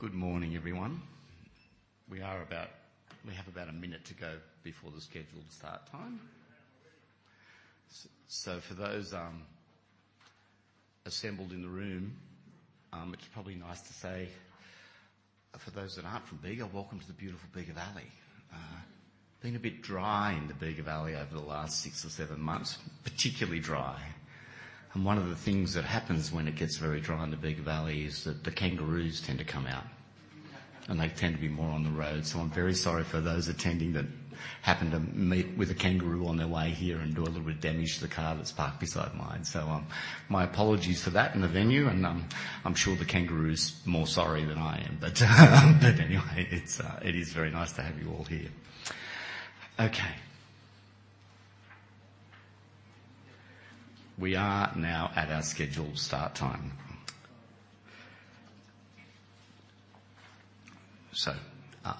Good morning, everyone. We have about a minute to go before the scheduled start time. So for those assembled in the room, it's probably nice to say, for those that aren't from Bega, welcome to the beautiful Bega Valley. Been a bit dry in the Bega Valley over the last six or seven months, particularly dry. And one of the things that happens when it gets very dry in the Bega Valley is that the kangaroos tend to come out, and they tend to be more on the road. So I'm very sorry for those attending that happened to meet with a kangaroo on their way here and do a little bit of damage to the car that's parked beside mine. So, my apologies for that and the venue, and, I'm sure the kangaroo is more sorry than I am. Anyway, it's, it is very nice to have you all here. Okay. We are now at our scheduled start time.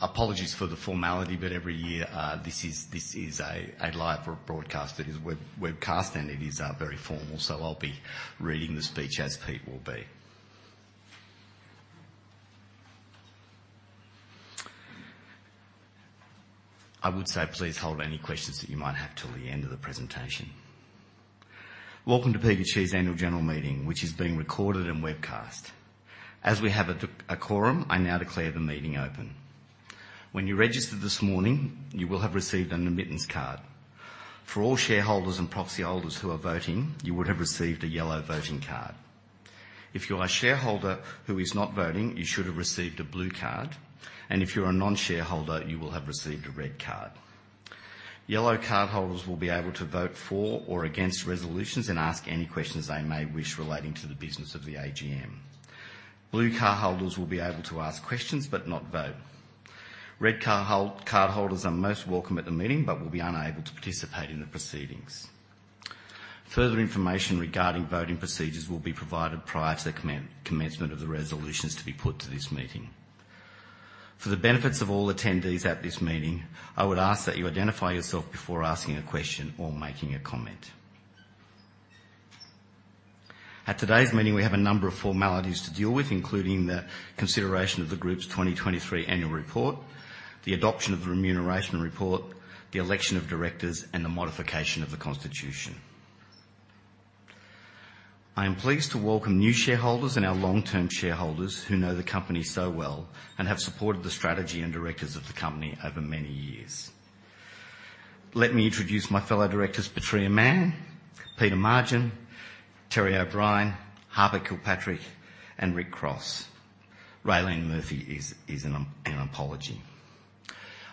Apologies for the formality, but every year, this is, this is a live broadcast. It is webcast, and it is very formal, so I'll be reading the speech as Pete will be. I would say, please hold any questions that you might have till the end of the presentation. Welcome to Bega Cheese's Annual General Meeting, which is being recorded and webcast. As we have a quorum, I now declare the meeting open. When you registered this morning, you will have received an admittance card. For all shareholders and proxy holders who are voting, you would have received a yellow voting card. If you're a shareholder who is not voting, you should have received a blue card, and if you're a non-shareholder, you will have received a red card. Yellow cardholders will be able to vote for or against resolutions and ask any questions they may wish relating to the business of the AGM. Blue cardholders will be able to ask questions, but not vote. Red cardholders are most welcome at the meeting, but will be unable to participate in the proceedings. Further information regarding voting procedures will be provided prior to the commencement of the resolutions to be put to this meeting. For the benefits of all attendees at this meeting, I would ask that you identify yourself before asking a question or making a comment. At today's meeting, we have a number of formalities to deal with, including the consideration of the group's 2023 annual report, the adoption of the remuneration report, the election of directors, and the modification of the constitution. I am pleased to welcome new shareholders and our long-term shareholders who know the company so well and have supported the strategy and directors of the company over many years. Let me introduce my fellow directors, Patria Mann, Peter Margin, Terry O'Brien, Harper Kilpatrick, and Rick Cross. Raelene Murphy is an apology.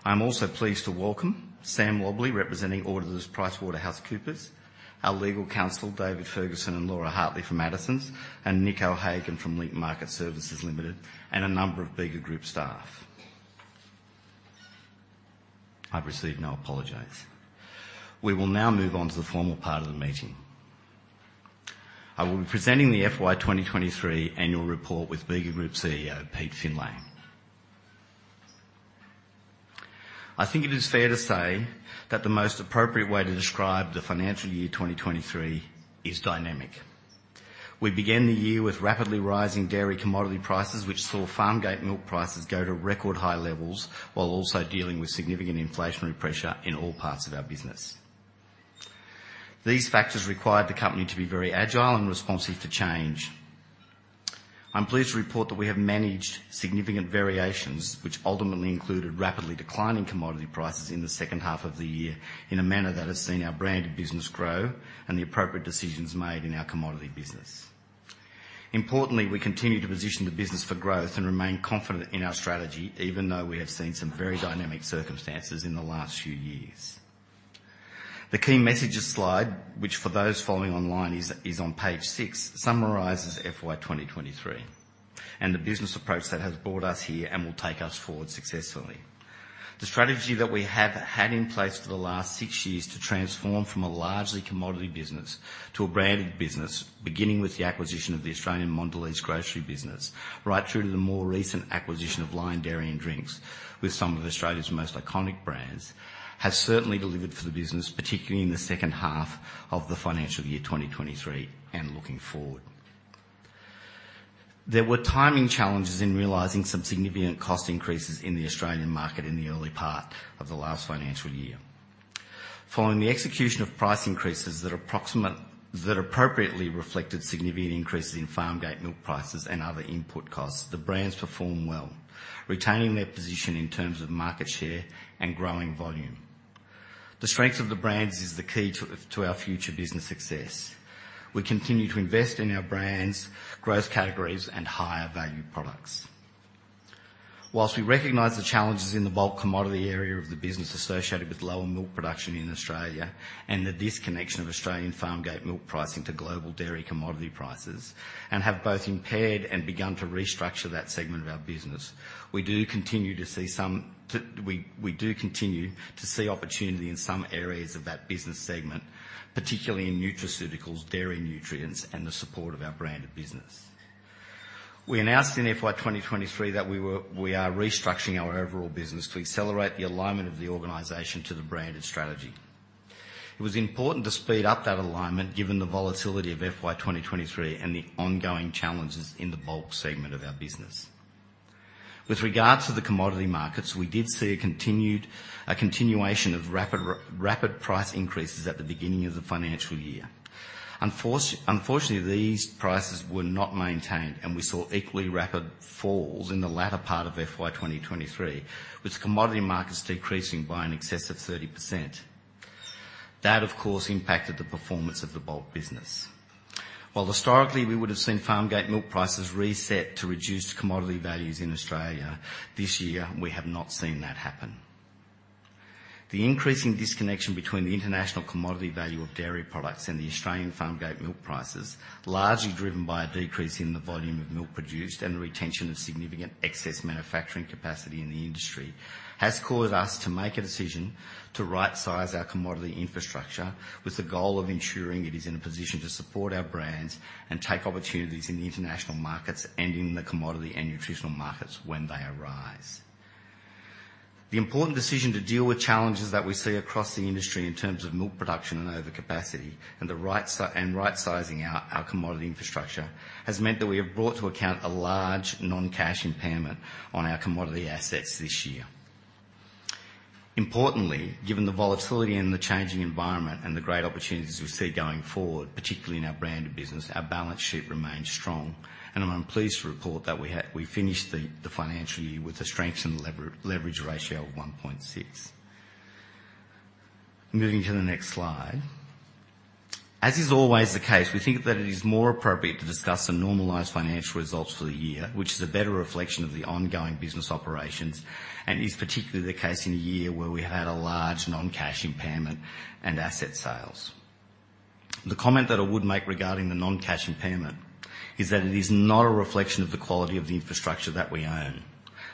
I'm also pleased to welcome Sam Lobley, representing auditors PricewaterhouseCoopers, our legal counsel, David Ferguson and Laura Hartley from Addisons, and Nick O'Hagan from Link Market Services Limited, and a number of Bega Group staff. I've received no apologies. We will now move on to the formal part of the meeting. I will be presenting the FY 2023 annual report with Bega Group CEO, Pete Findlay. I think it is fair to say that the most appropriate way to describe the financial year 2023 is dynamic. We began the year with rapidly rising dairy commodity prices, which saw farm gate milk prices go to record high levels, while also dealing with significant inflationary pressure in all parts of our business. These factors required the company to be very agile and responsive to change. I'm pleased to report that we have managed significant variations, which ultimately included rapidly declining commodity prices in the second half of the year, in a manner that has seen our branded business grow and the appropriate decisions made in our commodity business. Importantly, we continue to position the business for growth and remain confident in our strategy, even though we have seen some very dynamic circumstances in the last few years. The key messages slide, which for those following online, is on page six, summarizes FY 2023 and the business approach that has brought us here and will take us forward successfully. The strategy that we have had in place for the last six years to transform from a largely commodity business to a branded business, beginning with the acquisition of the Australian Mondelez grocery business, right through to the more recent acquisition of Lion Dairy & Drinks, with some of Australia's most iconic brands, has certainly delivered for the business, particularly in the second half of the financial year 2023 and looking forward. There were timing challenges in realizing some significant cost increases in the Australian market in the early part of the last financial year. Following the execution of price increases that appropriately reflected significant increases in farm gate milk prices and other input costs, the brands performed well, retaining their position in terms of market share and growing volume. The strength of the brands is the key to our future business success. We continue to invest in our brands, growth categories, and higher value products. Whilst we recognize the challenges in the bulk commodity area of the business associated with lower milk production in Australia, and the disconnection of Australian farm gate milk pricing to global dairy commodity prices, and have both impaired and begun to restructure that segment of our business, we do continue to see some to... We do continue to see opportunity in some areas of that business segment, particularly in nutraceuticals, dairy nutrients, and the support of our branded business. We announced in FY 2023 that we are restructuring our overall business to accelerate the alignment of the organization to the branded strategy. It was important to speed up that alignment, given the volatility of FY 2023 and the ongoing challenges in the bulk segment of our business. With regards to the commodity markets, we did see a continuation of rapid price increases at the beginning of the financial year. Unfortunately, these prices were not maintained, and we saw equally rapid falls in the latter part of FY 2023, with commodity markets decreasing by in excess of 30%. That, of course, impacted the performance of the bulk business. While historically, we would have seen farmgate milk prices reset to reduced commodity values in Australia, this year we have not seen that happen. The increasing disconnection between the international commodity value of dairy products and the Australian farmgate milk prices, largely driven by a decrease in the volume of milk produced and the retention of significant excess manufacturing capacity in the industry, has caused us to make a decision to rightsize our commodity infrastructure, with the goal of ensuring it is in a position to support our brands and take opportunities in the international markets and in the commodity and nutritional markets when they arise. The important decision to deal with challenges that we see across the industry in terms of milk production and overcapacity, and the right sizing our commodity infrastructure, has meant that we have brought to account a large non-cash impairment on our commodity assets this year. Importantly, given the volatility and the changing environment and the great opportunities we see going forward, particularly in our branded business, our balance sheet remains strong, and I'm pleased to report that we finished the financial year with a strengthened leverage ratio of 1.6. Moving to the next slide. As is always the case, we think that it is more appropriate to discuss the normalized financial results for the year, which is a better reflection of the ongoing business operations, and is particularly the case in a year where we had a large non-cash impairment and asset sales. The comment that I would make regarding the non-cash impairment is that it is not a reflection of the quality of the infrastructure that we own,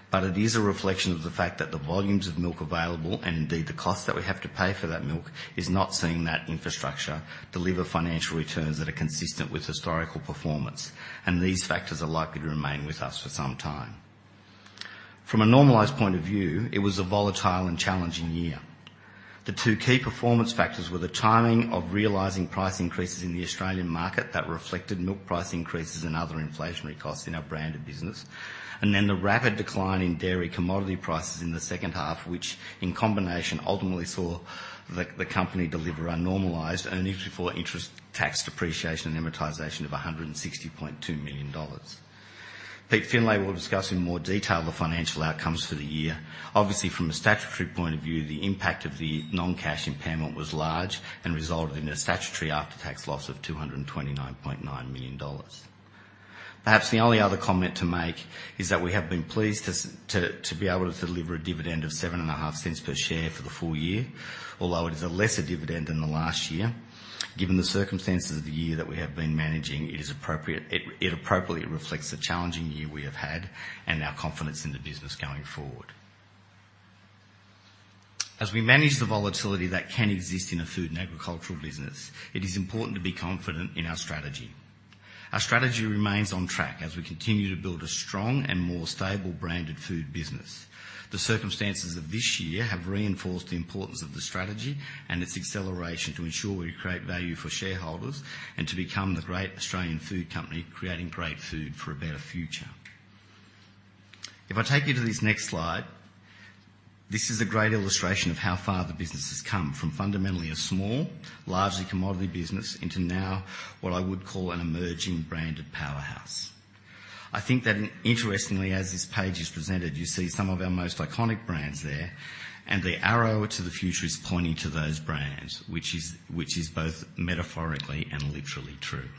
but it is a reflection of the fact that the volumes of milk available, and indeed the cost that we have to pay for that milk, is not seeing that infrastructure deliver financial returns that are consistent with historical performance, and these factors are likely to remain with us for some time. From a normalized point of view, it was a volatile and challenging year. The two key performance factors were the timing of realizing price increases in the Australian market that reflected milk price increases and other inflationary costs in our branded business, and then the rapid decline in dairy commodity prices in the second half, which in combination ultimately saw the company deliver a normalized earnings before interest, tax, depreciation, and amortization of 160.2 million dollars. Pete Findlay will discuss in more detail the financial outcomes for the year. Obviously, from a statutory point of view, the impact of the non-cash impairment was large and resulted in a statutory after-tax loss of 229.9 million dollars. Perhaps the only other comment to make is that we have been pleased to be able to deliver a dividend of 0.075 per share for the full year. Although it is a lesser dividend than the last year, given the circumstances of the year that we have been managing, it is appropriate... It, it appropriately reflects the challenging year we have had and our confidence in the business going forward. As we manage the volatility that can exist in a food and agricultural business, it is important to be confident in our strategy. Our strategy remains on track as we continue to build a strong and more stable branded food business. The circumstances of this year have reinforced the importance of the strategy and its acceleration to ensure we create value for shareholders and to become the great Australian food company, creating great food for a better future. If I take you to this next slide, this is a great illustration of how far the business has come from fundamentally a small, largely commodity business, into now what I would call an emerging branded powerhouse. I think that interestingly, as this page is presented, you see some of our most iconic brands there, and the arrow to the future is pointing to those brands, which is, which is both metaphorically and literally true.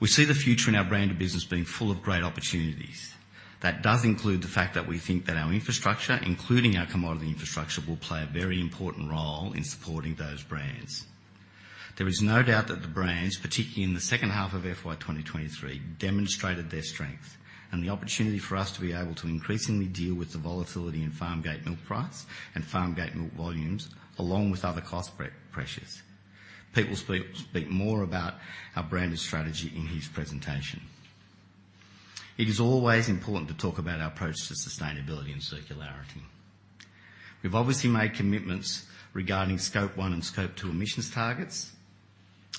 We see the future in our branded business being full of great opportunities. That does include the fact that we think that our infrastructure, including our commodity infrastructure, will play a very important role in supporting those brands. There is no doubt that the brands, particularly in the second half of FY 2023, demonstrated their strength and the opportunity for us to be able to increasingly deal with the volatility in farm gate milk price and farm gate milk volumes, along with other cost pressures. Pete will speak more about our branded strategy in his presentation. It is always important to talk about our approach to sustainability and circularity. We've obviously made commitments regarding Scope 1 and Scope 2 emissions targets and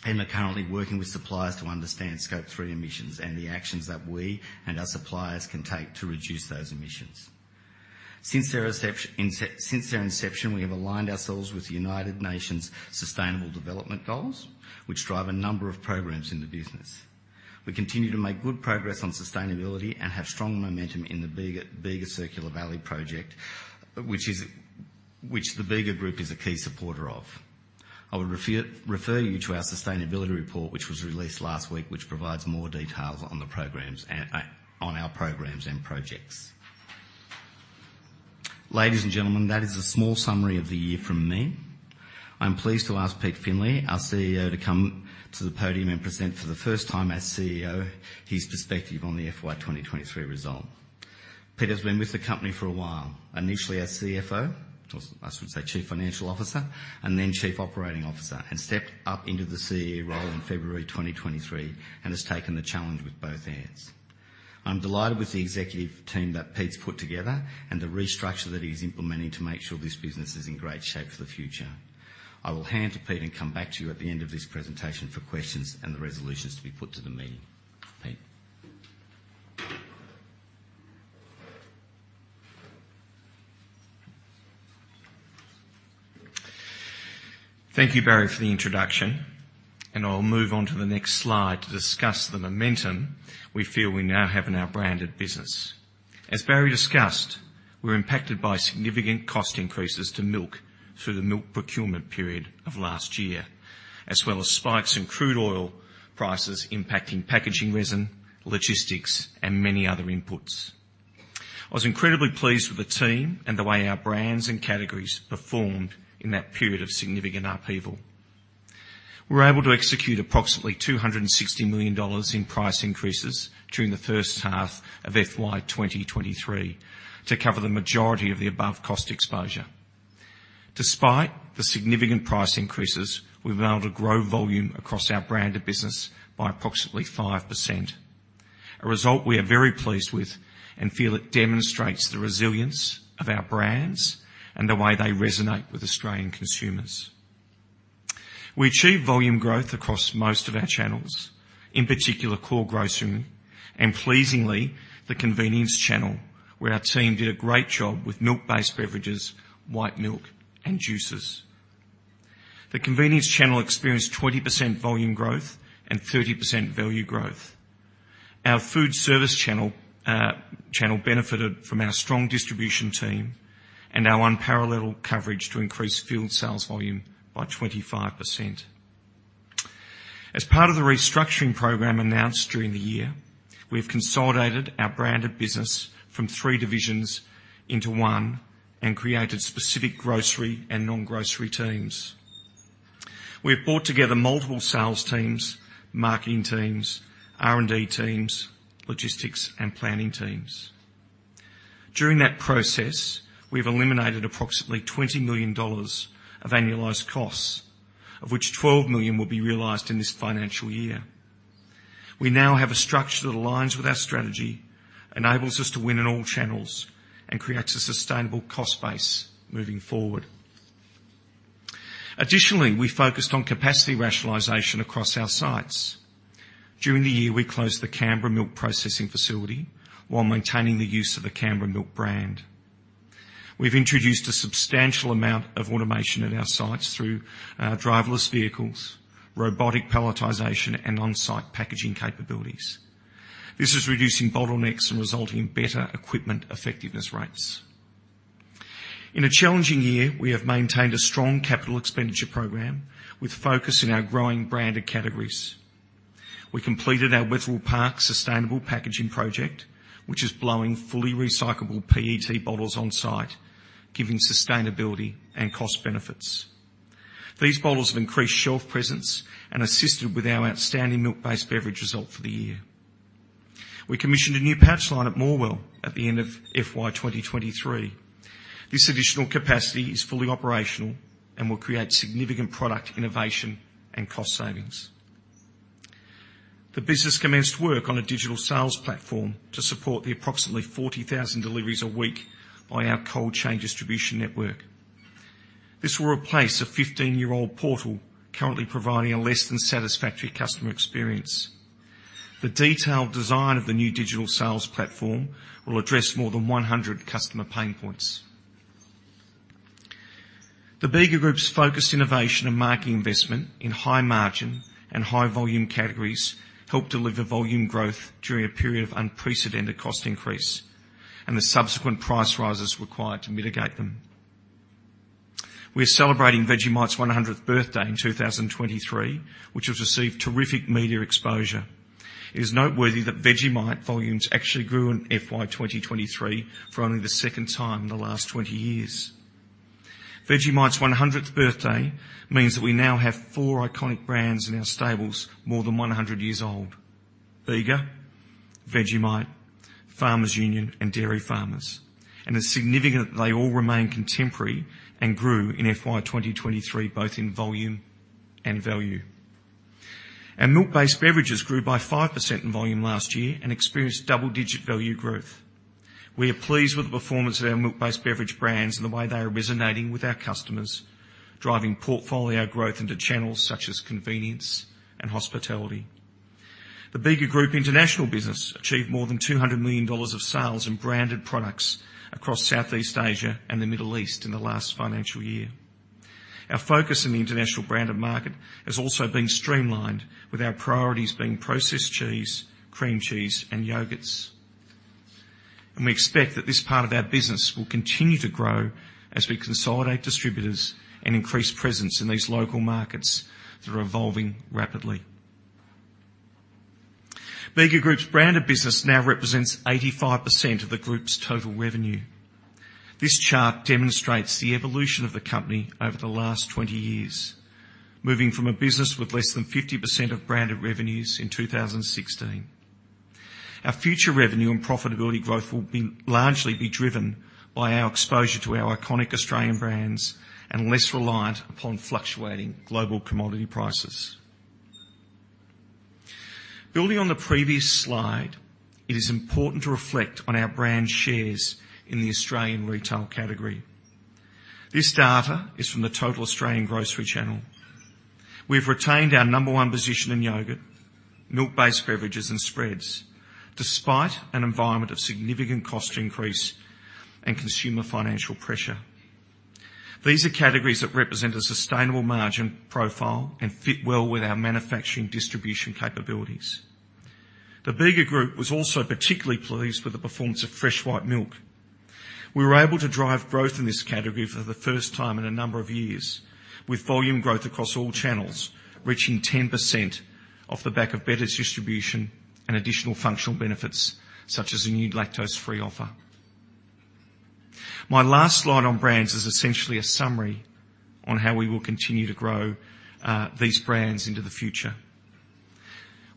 are currently working with suppliers to understand Scope 3 emissions and the actions that we and our suppliers can take to reduce those emissions. Since their inception, we have aligned ourselves with the United Nations Sustainable Development Goals, which drive a number of programs in the business. We continue to make good progress on sustainability and have strong momentum in the Bega Circular Valley project, which the Bega Group is a key supporter of. I would refer you to our sustainability report, which was released last week, which provides more details on the programs and on our programs and projects. Ladies and gentlemen, that is a small summary of the year from me. I'm pleased to ask Pete Findlay, our CEO, to come to the podium and present for the first time as CEO his perspective on the FY 2023 result. Pete has been with the company for a while, initially as CFO, or I should say Chief Financial Officer, and then Chief Operating Officer, and stepped up into the CEO role in February 2023 and has taken the challenge with both hands. I'm delighted with the executive team that Pete's put together and the restructure that he's implementing to make sure this business is in great shape for the future. I will hand to Pete and come back to you at the end of this presentation for questions and the resolutions to be put to the meeting.... Thank you, Barry, for the introduction, and I'll move on to the next slide to discuss the momentum we feel we now have in our branded business. As Barry discussed, we're impacted by significant cost increases to milk through the milk procurement period of last year, as well as spikes in crude oil prices impacting packaging resin, logistics, and many other inputs. I was incredibly pleased with the team and the way our brands and categories performed in that period of significant upheaval. We were able to execute approximately 260 million dollars in price increases during the first half of FY 2023 to cover the majority of the above cost exposure. Despite the significant price increases, we've been able to grow volume across our branded business by approximately 5%, a result we are very pleased with and feel it demonstrates the resilience of our brands and the way they resonate with Australian consumers. We achieved volume growth across most of our channels, in particular, core grocery and, pleasingly, the convenience channel, where our team did a great job with milk-based beverages, white milk, and juices. The convenience channel experienced 20% volume growth and 30% value growth. Our food service channel benefited from our strong distribution team and our unparalleled coverage to increase field sales volume by 25%. As part of the restructuring program announced during the year, we have consolidated our branded business from three divisions into one and created specific grocery and non-grocery teams. We have brought together multiple sales teams, marketing teams, R&D teams, logistics, and planning teams. During that process, we've eliminated approximately 20 million dollars of annualized costs, of which 12 million will be realized in this financial year. We now have a structure that aligns with our strategy, enables us to win in all channels, and creates a sustainable cost base moving forward. Additionally, we focused on capacity rationalization across our sites. During the year, we closed the Canberra Milk processing facility while maintaining the use of the Canberra Milk brand. We've introduced a substantial amount of automation at our sites through driverless vehicles, robotic palletization, and on-site packaging capabilities. This is reducing bottlenecks and resulting in better equipment effectiveness rates. In a challenging year, we have maintained a strong capital expenditure program, with focus in our growing branded categories. We completed our Wetherill Park sustainable packaging project, which is blowing fully recyclable PET bottles on-site, giving sustainability and cost benefits. These bottles have increased shelf presence and assisted with our outstanding milk-based beverage result for the year. We commissioned a new pouch line at Morwell at the end of FY 2023. This additional capacity is fully operational and will create significant product innovation and cost savings. The business commenced work on a digital sales platform to support the approximately 40,000 deliveries a week by our cold chain distribution network. This will replace a 15-year-old portal currently providing a less than satisfactory customer experience. The detailed design of the new digital sales platform will address more than 100 customer pain points. The Bega Group's focused innovation and marketing investment in high-margin and high-volume categories helped deliver volume growth during a period of unprecedented cost increase and the subsequent price rises required to mitigate them. We are celebrating Vegemite's 100th birthday in 2023, which has received terrific media exposure. It is noteworthy that Vegemite volumes actually grew in FY 2023 for only the 2nd time in the last 20 years. Vegemite's 100th birthday means that we now have four iconic brands in our stables, more than 100 years old: Bega, Vegemite, Farmers Union, and Dairy Farmers. It's significant they all remain contemporary and grew in FY 2023, both in volume and value. Our milk-based beverages grew by 5% in volume last year and experienced double-digit value growth. We are pleased with the performance of our milk-based beverage brands and the way they are resonating with our customers, driving portfolio growth into channels such as convenience and hospitality. The Bega Group International business achieved more than 200 million dollars of sales in branded products across Southeast Asia and the Middle East in the last financial year. Our focus in the international branded market has also been streamlined, with our priorities being processed cheese, cream cheese, and yogurts. We expect that this part of our business will continue to grow as we consolidate distributors and increase presence in these local markets that are evolving rapidly. Bega Group's branded business now represents 85% of the group's total revenue. This chart demonstrates the evolution of the company over the last 20 years, moving from a business with less than 50% of branded revenues in 2016. Our future revenue and profitability growth will be largely be driven by our exposure to our iconic Australian brands and less reliant upon fluctuating global commodity prices. Building on the previous slide, it is important to reflect on our brand shares in the Australian retail category. This data is from the total Australian grocery channel.... We've retained our number one position in yogurt, milk-based beverages, and spreads, despite an environment of significant cost increase and consumer financial pressure. These are categories that represent a sustainable margin profile and fit well with our manufacturing distribution capabilities. The Bega Group was also particularly pleased with the performance of fresh white milk. We were able to drive growth in this category for the first time in a number of years, with volume growth across all channels, reaching 10% off the back of better distribution and additional functional benefits, such as a new lactose-free offer. My last slide on brands is essentially a summary on how we will continue to grow these brands into the future.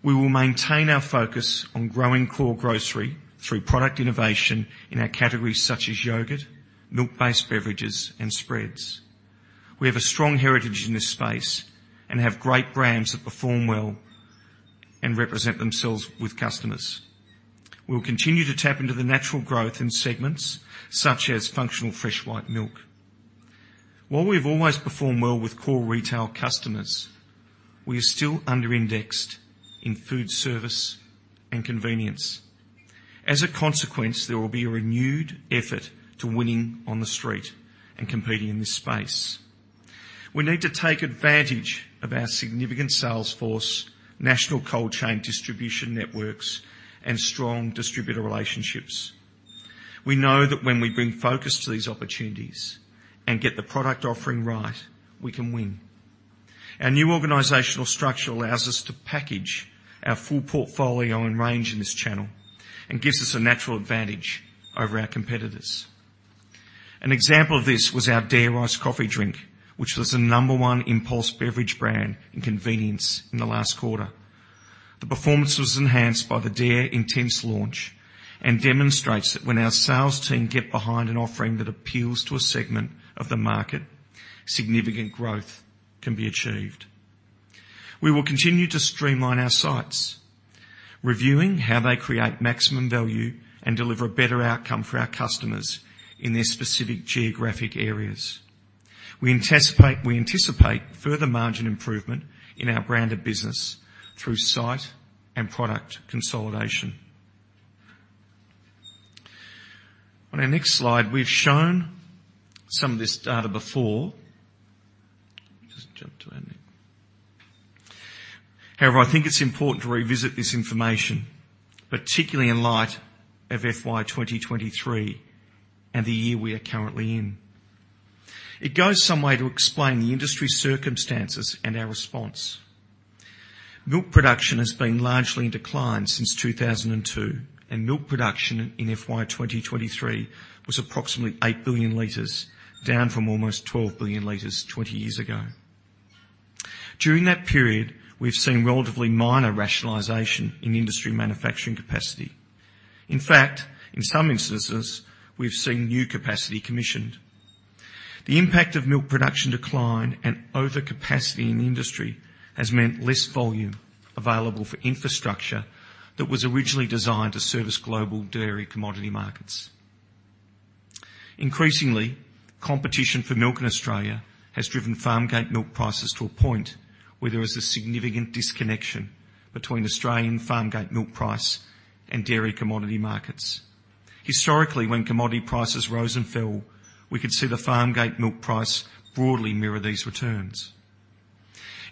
We will maintain our focus on growing core grocery through product innovation in our categories, such as yogurt, milk-based beverages, and spreads. We have a strong heritage in this space and have great brands that perform well and represent themselves with customers. We'll continue to tap into the natural growth in segments such as functional, fresh, white milk. While we've always performed well with core retail customers, we are still under-indexed in food service and convenience. As a consequence, there will be a renewed effort to winning on the street and competing in this space. We need to take advantage of our significant sales force, national cold chain distribution networks, and strong distributor relationships. We know that when we bring focus to these opportunities and get the product offering right, we can win. Our new organizational structure allows us to package our full portfolio and range in this channel and gives us a natural advantage over our competitors. An example of this was our Dare Iced Coffee drink, which was the number one impulse beverage brand in convenience in the last quarter. The performance was enhanced by the Dare Intense launch and demonstrates that when our sales team get behind an offering that appeals to a segment of the market, significant growth can be achieved. We will continue to streamline our sites, reviewing how they create maximum value and deliver a better outcome for our customers in their specific geographic areas. We anticipate, we anticipate further margin improvement in our branded business through site and product consolidation. On our next slide, we've shown some of this data before. Just jump to our next... However, I think it's important to revisit this information, particularly in light of FY 2023 and the year we are currently in. It goes some way to explain the industry circumstances and our response. Milk production has been largely in decline since 2002, and milk production in FY 2023 was approximately 8 billion liters, down from almost 12 billion liters 20 years ago. During that period, we've seen relatively minor rationalization in industry manufacturing capacity. In fact, in some instances, we've seen new capacity commissioned. The impact of milk production decline and overcapacity in the industry has meant less volume available for infrastructure that was originally designed to service global dairy commodity markets. Increasingly, competition for milk in Australia has driven farm gate milk prices to a point where there is a significant disconnection between Australian farm gate milk price and dairy commodity markets. Historically, when commodity prices rose and fell, we could see the farm gate milk price broadly mirror these returns.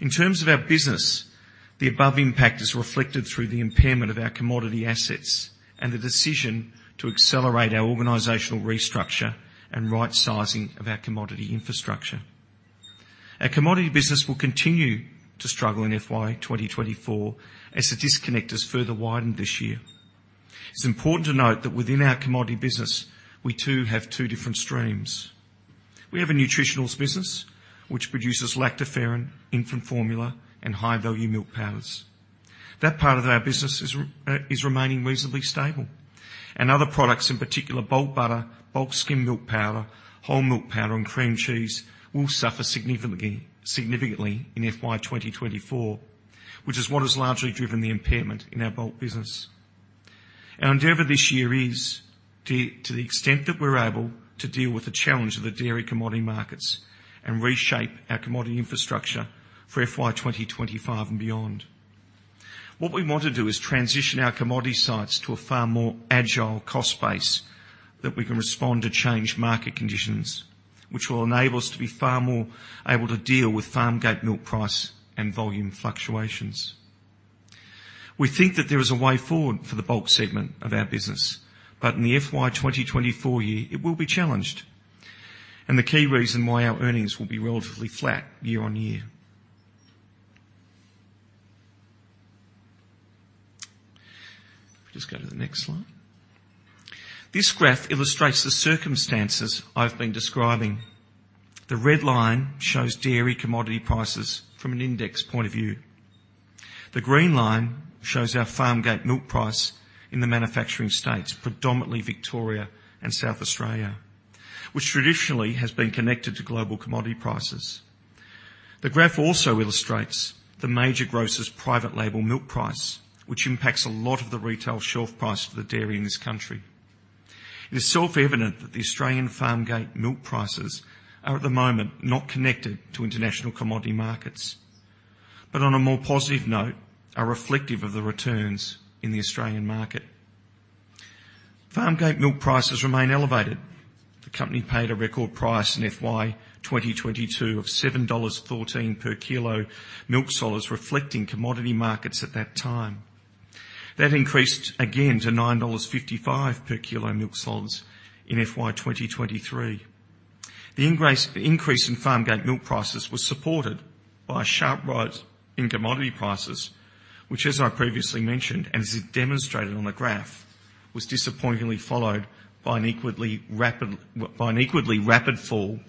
In terms of our business, the above impact is reflected through the impairment of our commodity assets and the decision to accelerate our organizational restructure and right sizing of our commodity infrastructure. Our commodity business will continue to struggle in FY 2024, as the disconnect has further widened this year. It's important to note that within our commodity business, we too have two different streams. We have a nutritionals business, which produces lactoferrin, infant formula, and high-value milk powders. That part of our business is remaining reasonably stable, and other products, in particular, bulk butter, bulk skim milk powder, whole milk powder, and cream cheese, will suffer significantly, significantly in FY 2024, which is what has largely driven the impairment in our bulk business. Our endeavor this year is to the extent that we're able, to deal with the challenge of the dairy commodity markets and reshape our commodity infrastructure for FY 2025 and beyond. What we want to do is transition our commodity sites to a far more agile cost base, that we can respond to changed market conditions, which will enable us to be far more able to deal with farm gate milk price and volume fluctuations. We think that there is a way forward for the bulk segment of our business, but in the FY 2024 year, it will be challenged, and the key reason why our earnings will be relatively flat year-over-year. Just go to the next slide. This graph illustrates the circumstances I've been describing. The red line shows dairy commodity prices from an index point of view. The green line shows our farm gate milk price in the manufacturing states, predominantly Victoria and South Australia, which traditionally has been connected to global commodity prices. The graph also illustrates the major grocer's private label milk price, which impacts a lot of the retail shelf price for the dairy in this country.... It is self-evident that the Australian farm gate milk prices are, at the moment, not connected to international commodity markets, but on a more positive note, are reflective of the returns in the Australian market. Farm gate milk prices remain elevated. The company paid a record price in FY 2022 of AUD 7.14 per kilo milk solids, reflecting commodity markets at that time. That increased again to 9.55 dollars per kilo milk solids in FY 2023. The increase in farm gate milk prices was supported by a sharp rise in commodity prices, which, as I previously mentioned, and as it demonstrated on the graph, was disappointingly followed by an equally rapid fall,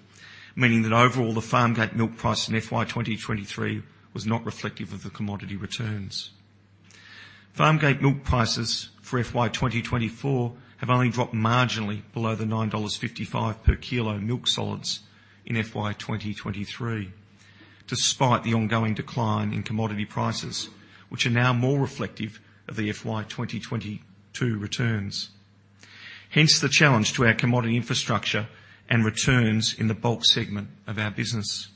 meaning that overall, the farm gate milk price in FY 2023 was not reflective of the commodity returns. Farm gate milk prices for FY 2024 have only dropped marginally below the 9.55 dollars per kilo milk solids in FY 2023, despite the ongoing decline in commodity prices, which are now more reflective of the FY 2022 returns. Hence, the challenge to our commodity infrastructure and returns in the bulk segment of our business.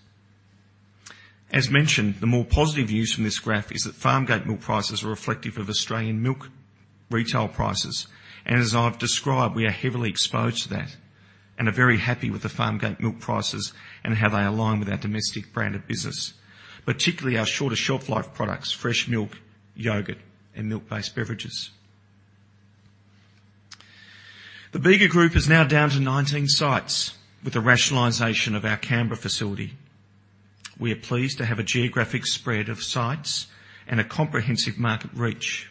As mentioned, the more positive news from this graph is that farm gate milk prices are reflective of Australian milk retail prices, and as I've described, we are heavily exposed to that and are very happy with the farm gate milk prices and how they align with our domestic brand of business, particularly our shorter shelf life products, fresh milk, yogurt, and milk-based beverages. The Bega Group is now down to 19 sites with the rationalization of our Canberra facility. We are pleased to have a geographic spread of sites and a comprehensive market reach.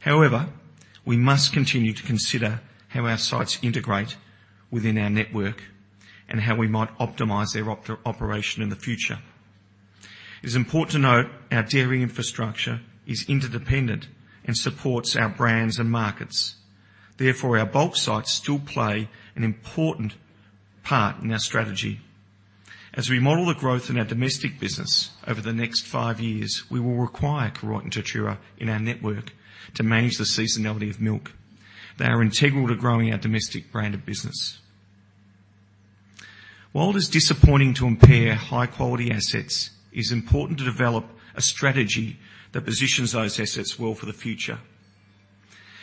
However, we must continue to consider how our sites integrate within our network and how we might optimize their operation in the future. It is important to note, our dairy infrastructure is interdependent and supports our brands and markets. Therefore, our bulk sites still play an important part in our strategy. As we model the growth in our domestic business over the next five years, we will require Koroit and Tatura in our network to manage the seasonality of milk. They are integral to growing our domestic brand of business. While it is disappointing to impair high-quality assets, it is important to develop a strategy that positions those assets well for the future.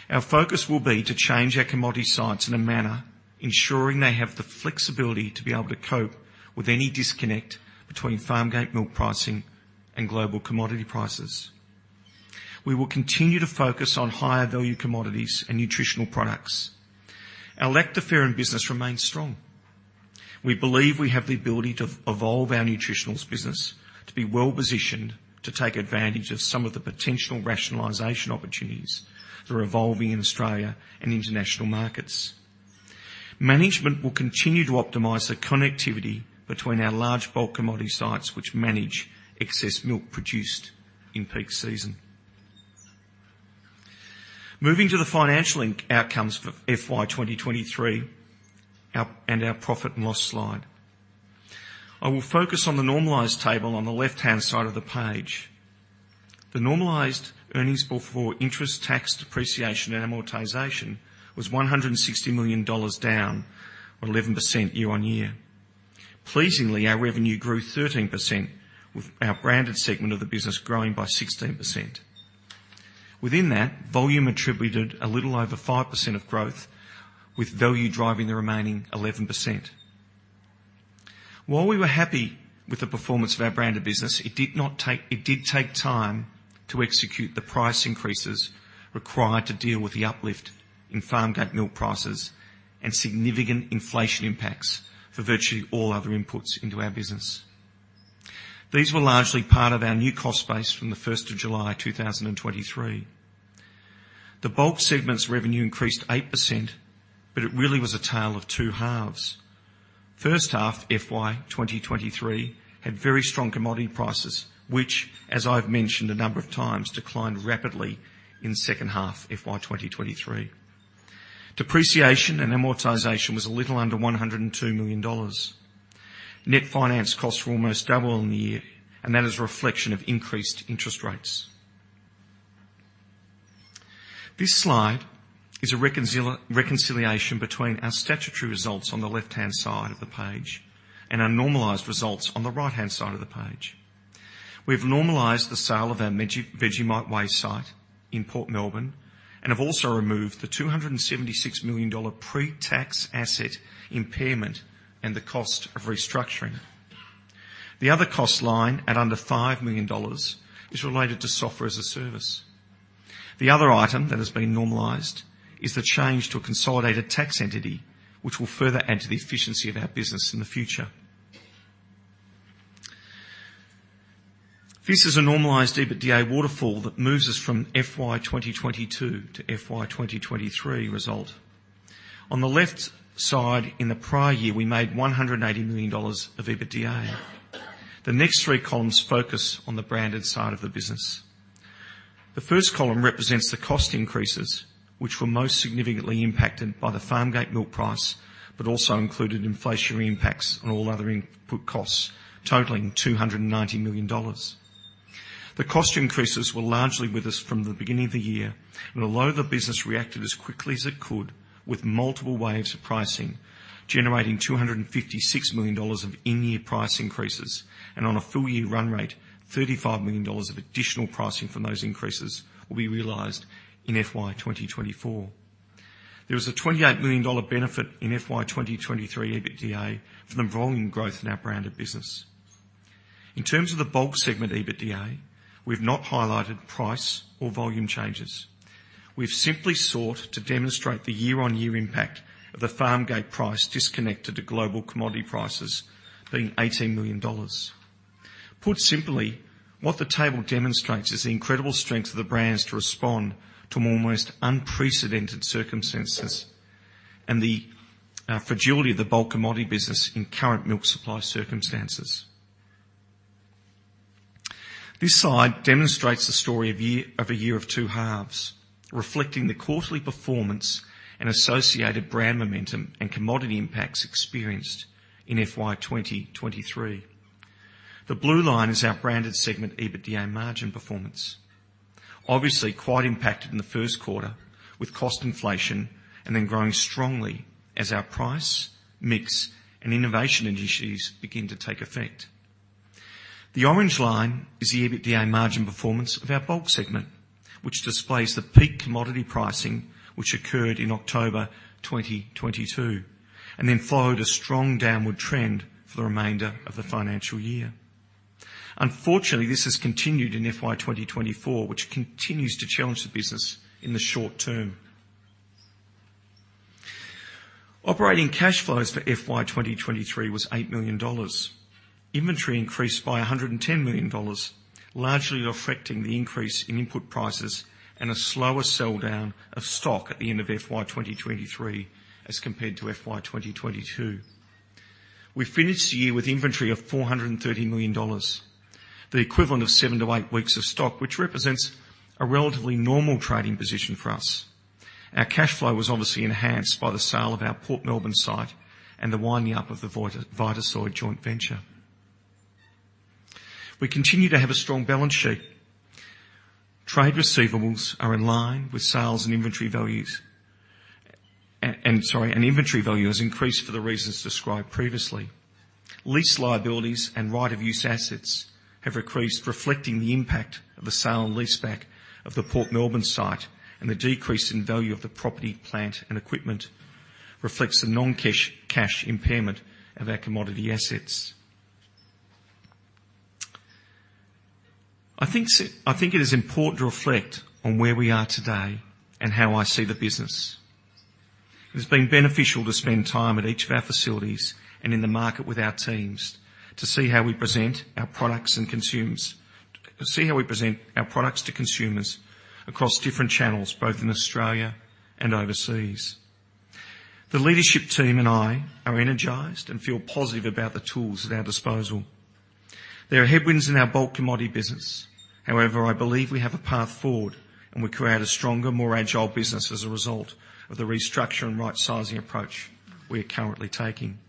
Our focus will be to change our commodity sites in a manner ensuring they have the flexibility to be able to cope with any disconnect between farm gate milk pricing and global commodity prices. We will continue to focus on higher-value commodities and nutritional products. Our lactoferrin business remains strong. We believe we have the ability to evolve our nutritionals business to be well-positioned to take advantage of some of the potential rationalization opportunities that are evolving in Australia and international markets. Management will continue to optimize the connectivity between our large bulk commodity sites, which manage excess milk produced in peak season. Moving to the financial outcomes for FY 2023, our profit and loss slide. I will focus on the normalized table on the left-hand side of the page. The normalized earnings before interest, tax, depreciation, and amortization was 160 million dollars, down 11% year-on-year. Pleasingly, our revenue grew 13%, with our branded segment of the business growing by 16%. Within that, volume attributed a little over 5% of growth, with value driving the remaining 11%. While we were happy with the performance of our branded business, it did not take... It did take time to execute the price increases required to deal with the uplift in farm gate milk prices and significant inflation impacts for virtually all other inputs into our business. These were largely part of our new cost base from July 1st, 2023. The bulk segment's revenue increased 8%, but it really was a tale of two halves. First half, FY 2023, had very strong commodity prices, which, as I've mentioned a number of times, declined rapidly in the second half of FY 2023. Depreciation and amortization was a little under 102 million dollars. Net finance costs were almost double in the year, and that is a reflection of increased interest rates. This slide is a reconciliation between our statutory results on the left-hand side of the page and our normalized results on the right-hand side of the page. We've normalized the sale of our Vegemite Waste site in Port Melbourne, and have also removed the 276 million dollar pre-tax asset impairment and the cost of restructuring. The other cost line, at under 5 million dollars, is related to software as a service. The other item that has been normalized is the change to a consolidated tax entity, which will further add to the efficiency of our business in the future. This is a normalized EBITDA waterfall that moves us from FY 2022 to FY 2023 result. On the left side, in the prior year, we made 180 million dollars of EBITDA. The next three columns focus on the branded side of the business. The first column represents the cost increases, which were most significantly impacted by the farm gate milk price, but also included inflationary impacts on all other input costs, totaling 290 million dollars. The cost increases were largely with us from the beginning of the year.... Although the business reacted as quickly as it could, with multiple waves of pricing, generating 256 million dollars of in-year price increases, and on a full year run rate, 35 million dollars of additional pricing from those increases will be realized in FY 2024. There was a 28 million dollar benefit in FY 2023 EBITDA from the volume growth in our branded business. In terms of the bulk segment EBITDA, we've not highlighted price or volume changes. We've simply sought to demonstrate the year-on-year impact of the farmgate price disconnected to global commodity prices being 18 million dollars. Put simply, what the table demonstrates is the incredible strength of the brands to respond to almost unprecedented circumstances, and the fragility of the bulk commodity business in current milk supply circumstances. This slide demonstrates the story of year, of a year of two halves, reflecting the quarterly performance and associated brand momentum and commodity impacts experienced in FY 2023. The blue line is our branded segment, EBITDA margin performance. Obviously, quite impacted in the first quarter with cost inflation, and then growing strongly as our price, mix, and innovation initiatives begin to take effect. The orange line is the EBITDA margin performance of our bulk segment, which displays the peak commodity pricing, which occurred in October 2022, and then followed a strong downward trend for the remainder of the financial year. Unfortunately, this has continued in FY 2024, which continues to challenge the business in the short term. Operating cash flows for FY 2023 was 8 million dollars. Inventory increased by 110 million dollars, largely affecting the increase in input prices and a slower sell-down of stock at the end of FY 2023 as compared to FY 2022. We finished the year with inventory of 430 million dollars, the equivalent of seven to eight weeks of stock, which represents a relatively normal trading position for us. Our cash flow was obviously enhanced by the sale of our Port Melbourne site and the winding up of the Vitasoy joint venture. We continue to have a strong balance sheet. Trade receivables are in line with sales and inventory values. Inventory value has increased for the reasons described previously. Lease liabilities and right-of-use assets have increased, reflecting the impact of the sale and leaseback of the Port Melbourne site, and the decrease in value of the property, plant, and equipment reflects the non-cash impairment of our commodity assets. I think it is important to reflect on where we are today and how I see the business. It has been beneficial to spend time at each of our facilities and in the market with our teams to see how we present our products to consumers across different channels, both in Australia and overseas. The leadership team and I are energized and feel positive about the tools at our disposal. There are headwinds in our bulk commodity business. However, I believe we have a path forward and will create a stronger, more agile business as a result of the restructure and right-sizing approach we are currently taking.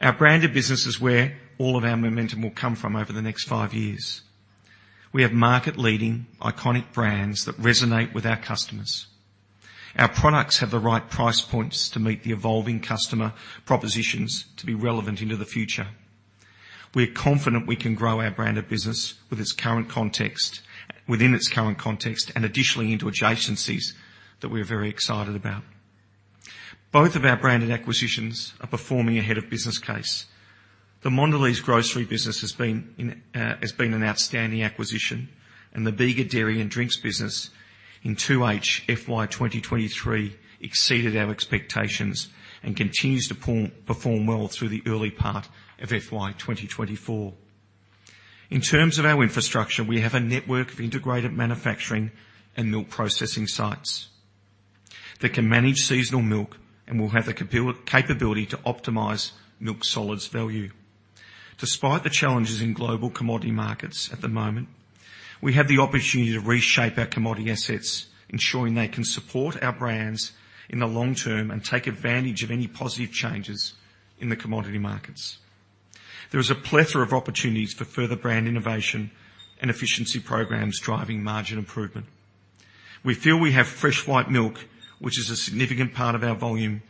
Our branded business is where all of our momentum will come from over the next five years. We have market-leading, iconic brands that resonate with our customers. Our products have the right price points to meet the evolving customer propositions to be relevant into the future. We are confident we can grow our branded business with its current context, within its current context, and additionally into adjacencies that we are very excited about. Both of our branded acquisitions are performing ahead of business case. The Mondelez grocery business has been an, has been an outstanding acquisition, and the Bega Dairy and Drinks business in 2H FY 2023 exceeded our expectations and continues to perform well through the early part of FY 2024. In terms of our infrastructure, we have a network of integrated manufacturing and milk processing sites that can manage seasonal milk and will have the capability to optimize milk solids value. Despite the challenges in global commodity markets at the moment, we have the opportunity to reshape our commodity assets, ensuring they can support our brands in the long term and take advantage of any positive changes in the commodity markets. There is a plethora of opportunities for further brand innovation and efficiency programs driving margin improvement. We feel we have fresh, white milk, which is a significant part of our volume,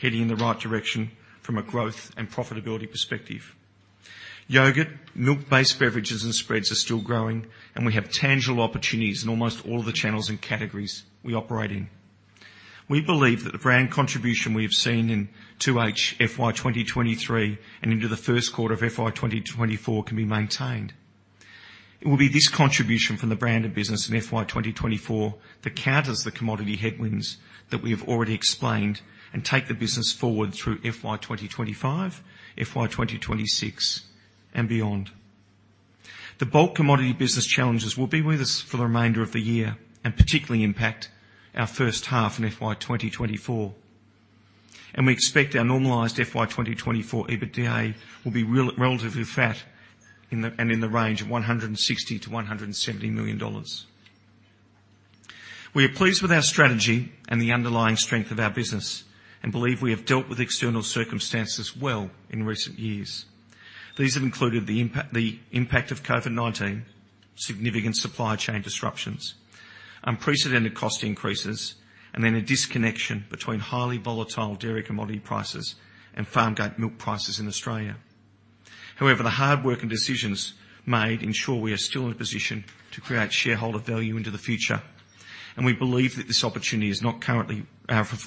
heading in the right direction from a growth and profitability perspective. Yogurt, milk-based beverages, and spreads are still growing, and we have tangible opportunities in almost all of the channels and categories we operate in. We believe that the brand contribution we have seen in 2H FY 2023 and into the first quarter of FY 2024 can be maintained. It will be this contribution from the branded business in FY 2024 that counters the commodity headwinds that we have already explained and take the business forward through FY 2025, FY 2026, and beyond. The bulk commodity business challenges will be with us for the remainder of the year, and particularly impact our first half in FY 2024. We expect our normalized FY 2024 EBITDA will be relatively flat in the range of 160 million-170 million dollars. We are pleased with our strategy and the underlying strength of our business and believe we have dealt with external circumstances well in recent years. These have included the impact of COVID-19, significant supply chain disruptions, unprecedented cost increases, and then a disconnection between highly volatile dairy commodity prices and farm gate milk prices in Australia. However, the hard work and decisions made ensure we are still in a position to create shareholder value into the future, and we believe that this opportunity is not currently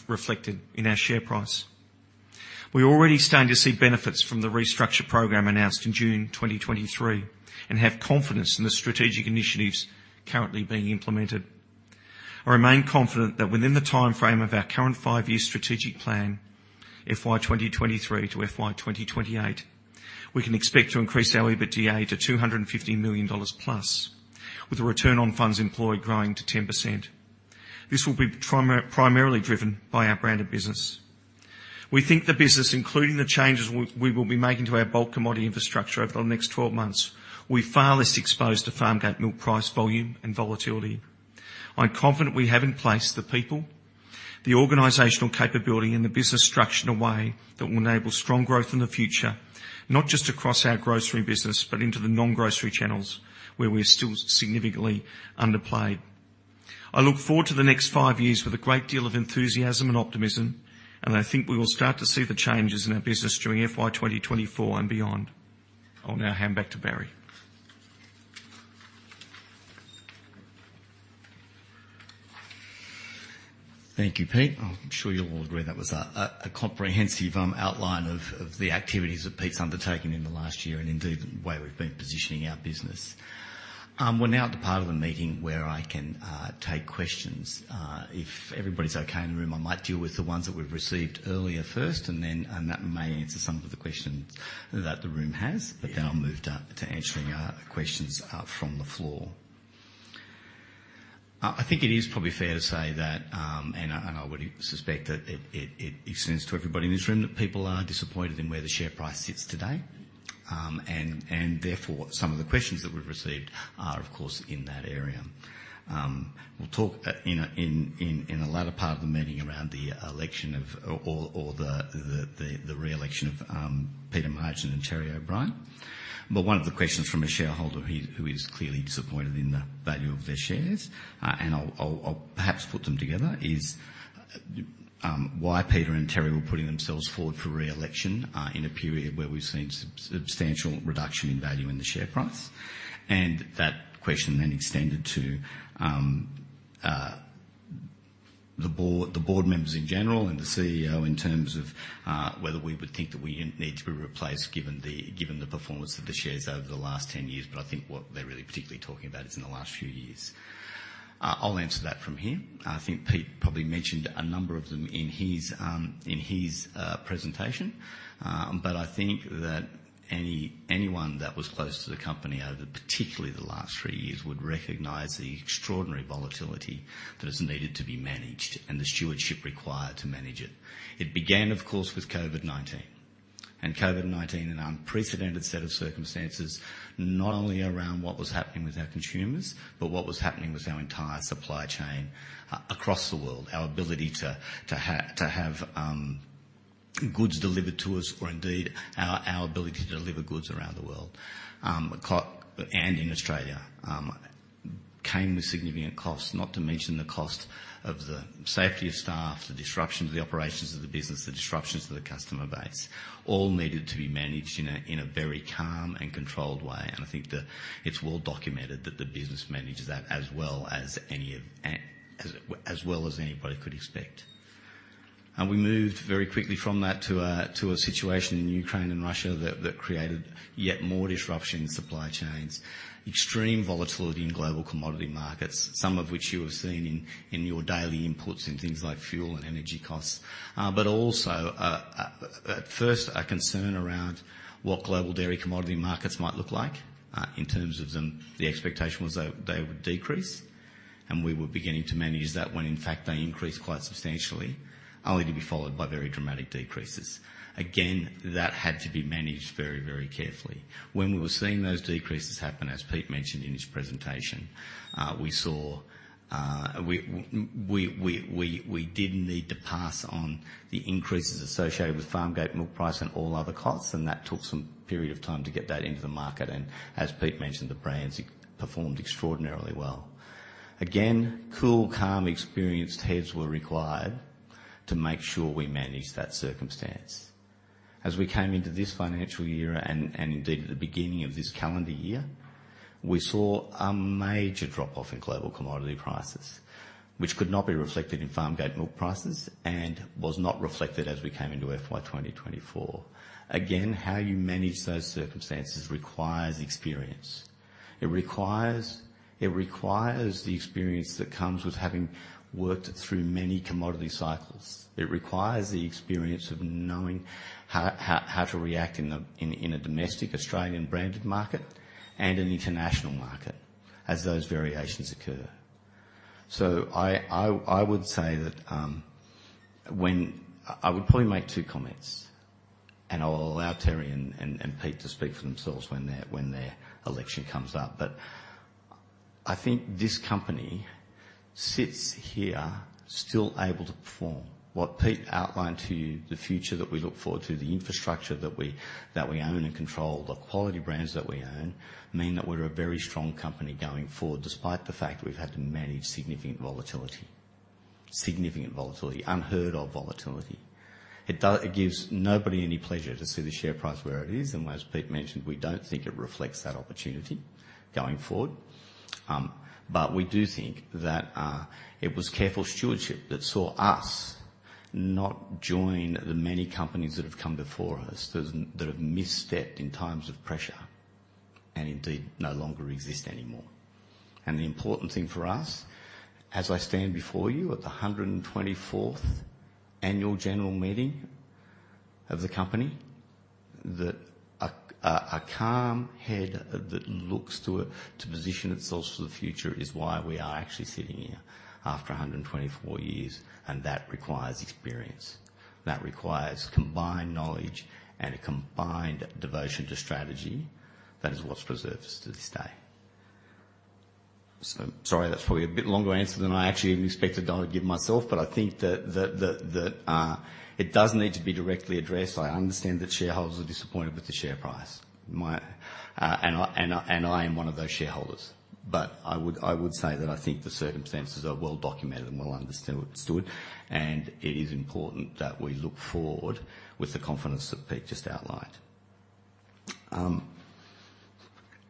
reflected in our share price. We're already starting to see benefits from the restructure program announced in June 2023, and have confidence in the strategic initiatives currently being implemented. I remain confident that within the time frame of our current five-year strategic plan, FY 2023 to FY 2028, we can expect to increase our EBITDA to 250 million dollars plus, with a return on funds employed growing to 10%. This will be primarily driven by our branded business. We think the business, including the changes we will be making to our bulk commodity infrastructure over the next 12 months, will be far less exposed to farm gate milk price, volume, and volatility. I'm confident we have in place the people, the organizational capability, and the business structure in a way that will enable strong growth in the future, not just across our grocery business, but into the non-grocery channels, where we're still significantly underplayed. I look forward to the next five years with a great deal of enthusiasm and optimism, and I think we will start to see the changes in our business during FY 2024 and beyond. I'll now hand back to Barry. Thank you, Pete. I'm sure you'll all agree that was a comprehensive outline of the activities that Pete's undertaken in the last year, and indeed, the way we've been positioning our business. We're now at the part of the meeting where I can take questions. If everybody's okay in the room, I might deal with the ones that we've received earlier first, and then that may answer some of the questions that the room has. But then I'll move to answering questions from the floor. I think it is probably fair to say that and I would suspect that it extends to everybody in this room, that people are disappointed in where the share price sits today. Therefore, some of the questions that we've received are, of course, in that area. We'll talk in the latter part of the meeting around the election of, or the reelection of, Peter Margin and Terry O'Brien. But one of the questions from a shareholder who is clearly disappointed in the value of their shares, and I'll perhaps put them together, is: Why Peter and Terry were putting themselves forward for reelection in a period where we've seen substantial reduction in value in the share price? And that question then extended to the board members in general and the CEO, in terms of whether we would think that we need to be replaced, given the performance of the shares over the last 10 years. I think what they're really particularly talking about is in the last few years. I'll answer that from here. I think Pete probably mentioned a number of them in his presentation. I think that anyone that was close to the company over particularly the last three years would recognize the extraordinary volatility that has needed to be managed and the stewardship required to manage it. It began, of course, with COVID-19. COVID-19, an unprecedented set of circumstances, not only around what was happening with our consumers, but what was happening with our entire supply chain across the world. Our ability to have goods delivered to us, or indeed our ability to deliver goods around the world and in Australia, came with significant costs, not to mention the cost of the safety of staff, the disruption to the operations of the business, the disruptions to the customer base. All needed to be managed in a very calm and controlled way, and I think that it's well documented that the business managed that as well as any of, as well as anybody could expect. We moved very quickly from that to a situation in Ukraine and Russia that created yet more disruption in supply chains, extreme volatility in global commodity markets, some of which you have seen in your daily inputs, in things like fuel and energy costs. But also, at first, a concern around what global dairy commodity markets might look like. In terms of them, the expectation was that they would decrease, and we were beginning to manage that, when in fact they increased quite substantially, only to be followed by very dramatic decreases. Again, that had to be managed very, very carefully. When we were seeing those decreases happen, as Pete mentioned in his presentation, we saw, we didn't need to pass on the increases associated with farm gate milk price and all other costs, and that took some period of time to get that into the market, and as Pete mentioned, the brands performed extraordinarily well. Again, cool, calm, experienced heads were required to make sure we managed that circumstance. As we came into this financial year and indeed at the beginning of this calendar year, we saw a major drop-off in global commodity prices, which could not be reflected in farm gate milk prices and was not reflected as we came into FY 2024. Again, how you manage those circumstances requires experience. It requires the experience that comes with having worked through many commodity cycles. It requires the experience of knowing how to react in a domestic Australian branded market and an international market, as those variations occur. So I would say that I would probably make two comments, and I'll allow Terry and Pete to speak for themselves when their election comes up. But I think this company sits here still able to perform. What Pete outlined to you, the future that we look forward to, the infrastructure that we own and control, the quality brands that we own, mean that we're a very strong company going forward, despite the fact that we've had to manage significant volatility. Significant volatility, unheard of volatility. It gives nobody any pleasure to see the share price where it is, and as Pete mentioned, we don't think it reflects that opportunity going forward. But we do think that it was careful stewardship that saw us not join the many companies that have come before us, that have misstepped in times of pressure and indeed no longer exist anymore. And the important thing for us, as I stand before you at the 124th annual general meeting of the company, that a calm head that looks to position itself for the future is why we are actually sitting here after 124 years, and that requires experience. That requires combined knowledge and a combined devotion to strategy. That is what's preserved us to this day. So sorry, that's probably a bit longer answer than I actually expected I would give myself, but I think that it does need to be directly addressed. I understand that shareholders are disappointed with the share price. My... And I am one of those shareholders, but I would say that I think the circumstances are well documented and well understood, and it is important that we look forward with the confidence that Pete just outlined.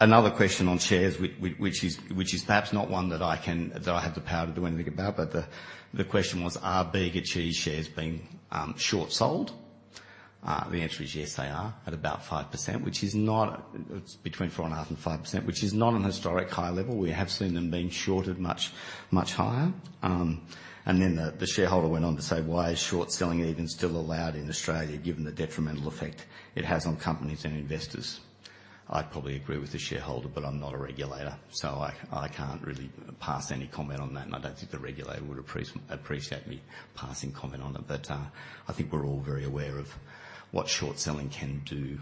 Another question on shares, which is perhaps not one that I have the power to do anything about, but the question was: Are Bega Cheese shares being short sold? The answer is yes, they are, at about 5%, which is not. It's between 4.5% and 5%, which is not an historic high level. We have seen them being shorted much higher. Then the shareholder went on to say: "Why is short selling even still allowed in Australia, given the detrimental effect it has on companies and investors?" I'd probably agree with the shareholder, but I'm not a regulator, so I can't really pass any comment on that, and I don't think the regulator would appreciate me passing comment on it. But I think we're all very aware of what short selling can do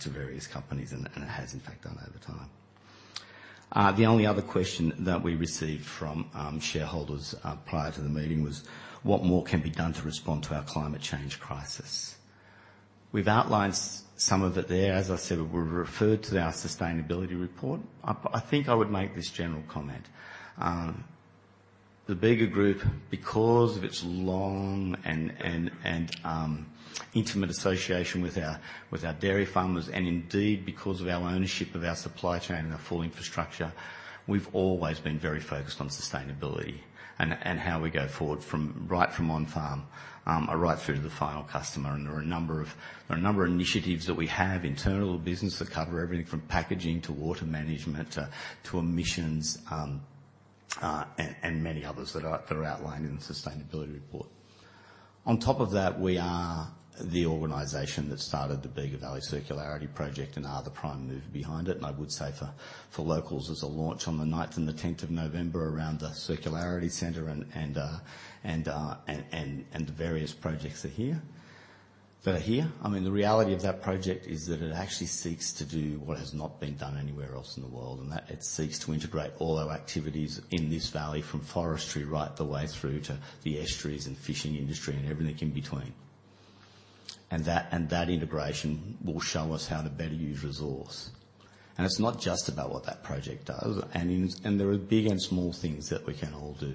to various companies, and it has in fact done over time. The only other question that we received from shareholders prior to the meeting was: What more can be done to respond to our climate change crisis? We've outlined some of it there. As I said, we've referred to our sustainability report. I think I would make this general comment. The Bega Group, because of its long and intimate association with our dairy farmers, and indeed because of our ownership of our supply chain and our full infrastructure, we've always been very focused on sustainability and how we go forward from right from on farm right through to the final customer. There are a number of initiatives that we have internal business that cover everything from packaging to water management, to emissions, and many others that are outlined in the sustainability report. On top of that, we are the organization that started the Bega Circular Valley and are the prime mover behind it. I would say for locals, there's a launch on the ninth and the tenth of November around the Circularity Centre and the various projects that are here. I mean, the reality of that project is that it actually seeks to do what has not been done anywhere else in the world, and that it seeks to integrate all our activities in this valley, from forestry, right the way through to the estuaries and fishing industry and everything in between. And that integration will show us how to better use resource. And it's not just about what that project does, and there are big and small things that we can all do.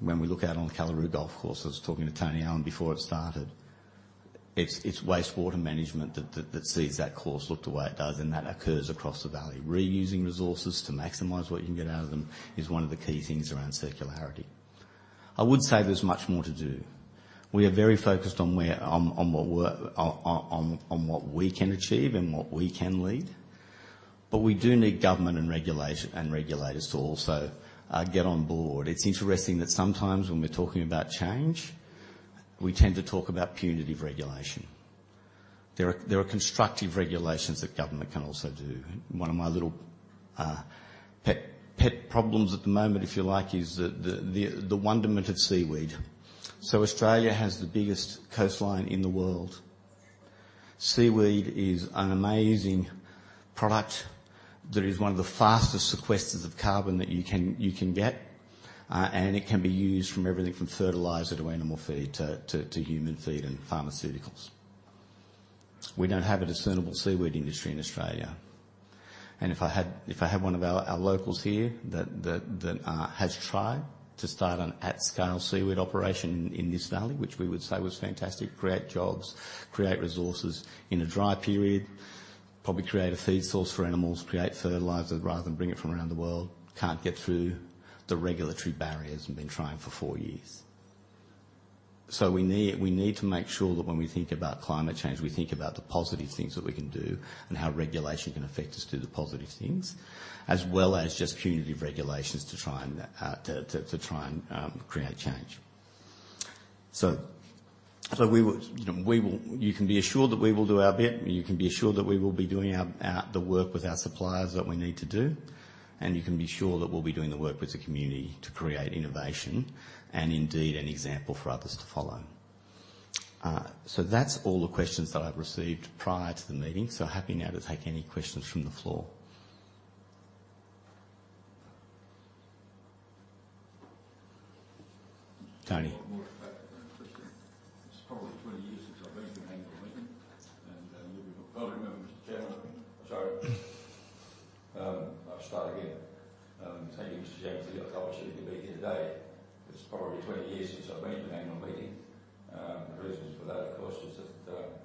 When we look out on the Ko'olau Golf Course, I was talking to Tony Allen before it started, it's wastewater management that sees that course look the way it does, and that occurs across the valley. Reusing resources to maximize what you can get out of them is one of the key things around circularity. I would say there's much more to do. We are very focused on what we're on what we can achieve and what we can lead, but we do need government and regulation, and regulators to also get on board. It's interesting that sometimes when we're talking about change, we tend to talk about punitive regulation. There are constructive regulations that government can also do. One of my little pet problems at the moment, if you like, is the wonderment of seaweed. So Australia has the biggest coastline in the world. Seaweed is an amazing product that is one of the fastest sequesters of carbon that you can get, and it can be used from everything from fertilizer to animal feed, to human feed and pharmaceuticals. We don't have a discernible seaweed industry in Australia, and if I had one of our locals here that has tried to start an at-scale seaweed operation in this valley, which we would say was fantastic, create jobs, create resources in a dry period, probably create a feed source for animals, create fertilizer rather than bring it from around the world, can't get through the regulatory barriers and been trying for four years. We need to make sure that when we think about climate change, we think about the positive things that we can do and how regulation can affect us, do the positive things, as well as just punitive regulations to try and create a change. We will, you know, we will... You can be assured that we will do our bit. You can be assured that we will be doing our, our, the work with our suppliers that we need to do, and you can be sure that we'll be doing the work with the community to create innovation and indeed any example for others to follow.... That's all the questions that I've received prior to the meeting, so happy now to take any questions from the floor. Tony? Thank you, Mr. Chairman, for the opportunity to be here today. It's probably 20 years since I've been to an annual meeting. The reasons for that, of course, is that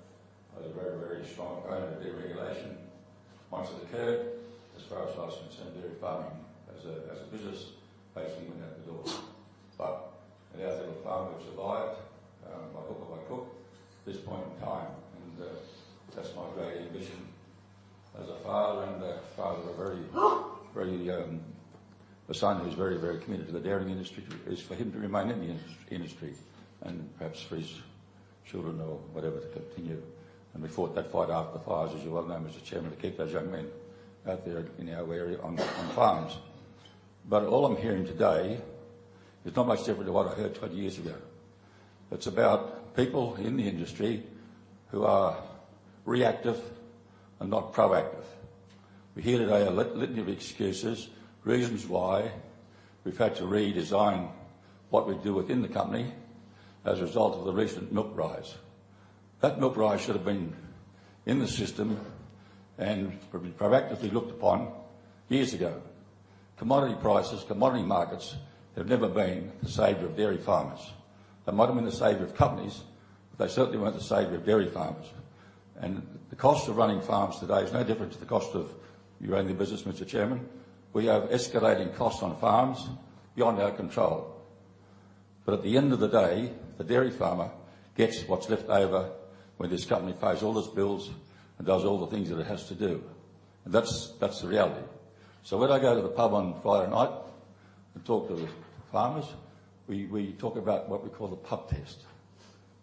I was a very, very strong opponent of deregulation. Once it occurred, as far as I was concerned, dairy farming as a business, basically went out the door. But in our little farm, we've survived by hook or by crook, this point in time, and that's my great ambition as a father and a father of a very, very a son who's very, very committed to the dairy industry, is for him to remain in the industry, and perhaps for his children or whatever, to continue. And we fought that fight after the fires, as you well know, Mr. Chairman, to keep those young men out there in our area on farms. But all I'm hearing today is not much different to what I heard 20 years ago. It's about people in the industry who are reactive and not proactive. We're here today, a litany of excuses, reasons why we've had to redesign what we do within the company as a result of the recent milk price. That milk price should have been in the system and probably proactively looked upon years ago. Commodity prices, commodity markets, have never been the savior of dairy farmers. They might have been the savior of companies, but they certainly weren't the savior of dairy farmers. And the cost of running farms today is no different to the cost of your own business, Mr. Chairman. We have escalating costs on farms beyond our control. At the end of the day, the dairy farmer gets what's left over when this company pays all its bills and does all the things that it has to do. That's the reality. When I go to the pub on Friday night and talk to the farmers, we talk about what we call the pub test.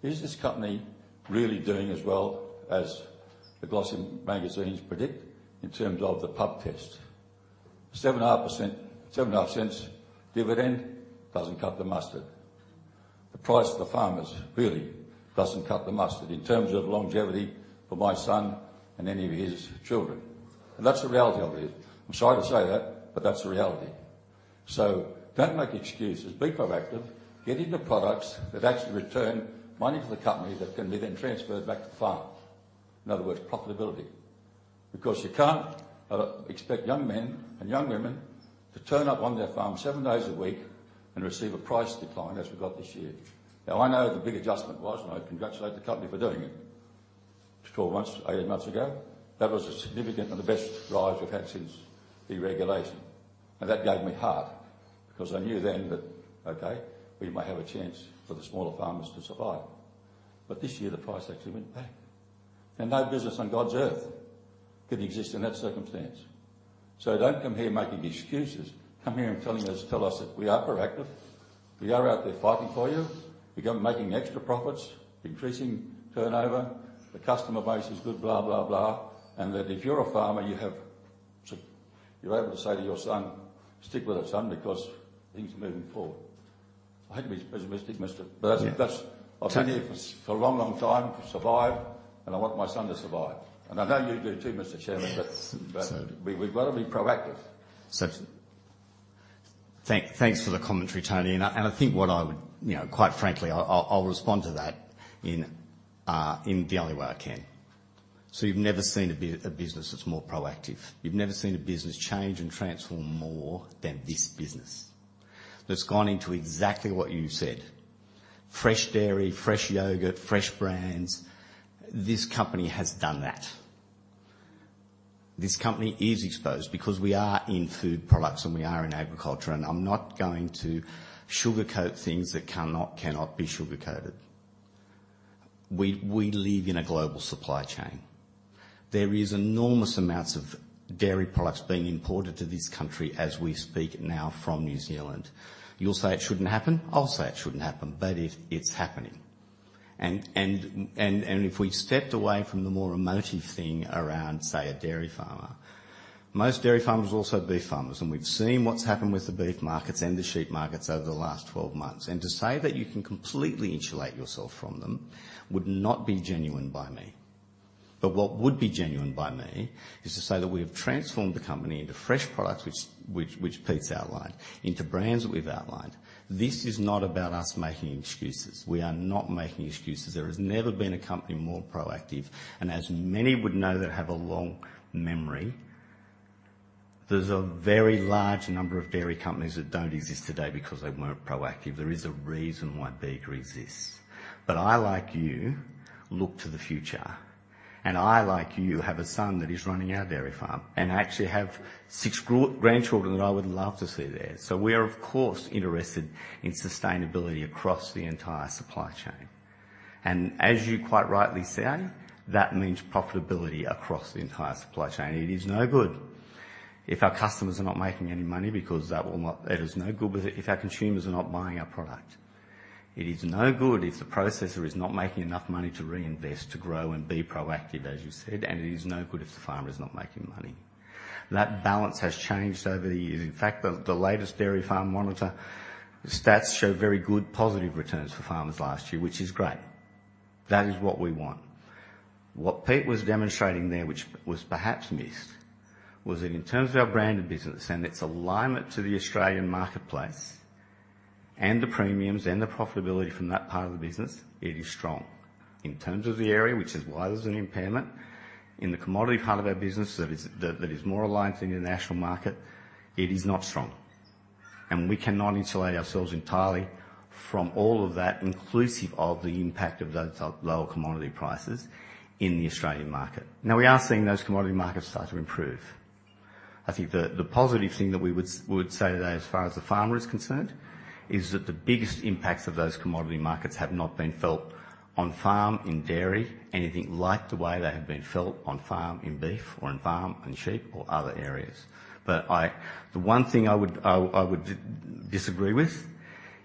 Is this company really doing as well as the glossy magazines predict in terms of the pub test? 7.5% dividend doesn't cut the mustard. The price to the farmers really doesn't cut the mustard in terms of longevity for my son and any of his children. That's the reality of it. I'm sorry to say that, but that's the reality. Don't make excuses. Be proactive. Get into products that actually return money to the company that can be then transferred back to the farm. In other words, profitability. Because you can't, expect young men and young women to turn up on their farm seven days a week and receive a price decline as we got this year. Now, I know the big adjustment was, and I congratulate the company for doing it, 12 months, 18 months ago. That was a significant and the best rise we've had since deregulation. And that gave me heart because I knew then that, okay, we might have a chance for the smaller farmers to survive. But this year, the price actually went back, and no business on God's earth could exist in that circumstance. So don't come here making excuses. Come here and telling us, tell us that, "We are proactive. We are out there fighting for you. We are making extra profits, increasing turnover. The customer base is good," blah, blah, blah. And that if you're a farmer, you have to-- you're able to say to your son, "Stick with it, son, because things are moving forward." I hate to be pessimistic, mister, but that's, that's- Tony. I've been here for a long, long time to survive, and I want my son to survive. I know you do, too, Mr. Chairman. Yes. But we've got to be proactive. Thanks for the commentary, Tony. I think what I would, you know, quite frankly, I'll respond to that in the only way I can. So you've never seen a business that's more proactive. You've never seen a business change and transform more than this business. That's gone into exactly what you said: fresh dairy, fresh yogurt, fresh brands. This company has done that. This company is exposed because we are in food products and we are in agriculture, and I'm not going to sugarcoat things that cannot, cannot be sugar-coated. We live in a global supply chain. There is enormous amounts of dairy products being imported to this country as we speak now from New Zealand. You'll say it shouldn't happen. I'll say it shouldn't happen, but it's happening. If we stepped away from the more emotive thing around, say, a dairy farmer, most dairy farmers are also beef farmers, and we've seen what's happened with the beef markets and the sheep markets over the last 12 months. To say that you can completely insulate yourself from them would not be genuine by me. But what would be genuine by me is to say that we have transformed the company into fresh products, which Pete's outlined, into brands that we've outlined. This is not about us making excuses. We are not making excuses. There has never been a company more proactive, and as many would know that have a long memory, there's a very large number of dairy companies that don't exist today because they weren't proactive. There is a reason why Bega exists. But I, like you, look to the future, and I, like you, have a son that is running our dairy farm, and I actually have six grandchildren that I would love to see there. So we are, of course, interested in sustainability across the entire supply chain. And as you quite rightly say, that means profitability across the entire supply chain. It is no good if our customers are not making any money because that will not. It is no good if our consumers are not buying our product. It is no good if the processor is not making enough money to reinvest, to grow and be proactive, as you said, and it is no good if the farmer is not making money. That balance has changed over the years. In fact, the latest Dairy Farm Monitor stats show very good positive returns for farmers last year, which is great. That is what we want. What Pete was demonstrating there, which was perhaps missed, was that in terms of our branded business and its alignment to the Australian marketplace, and the premiums and the profitability from that part of the business, it is strong. In terms of the area, which is why there's an impairment, in the commodity part of our business, that is more aligned to the international market, it is not strong. And we cannot insulate ourselves entirely from all of that, inclusive of the impact of those lower commodity prices in the Australian market. Now, we are seeing those commodity markets start to improve. I think the positive thing that we would say today as far as the farmer is concerned, is that the biggest impacts of those commodity markets have not been felt on farm in dairy, anything like the way they have been felt on farm in beef or on farm in sheep or other areas. But the one thing I would disagree with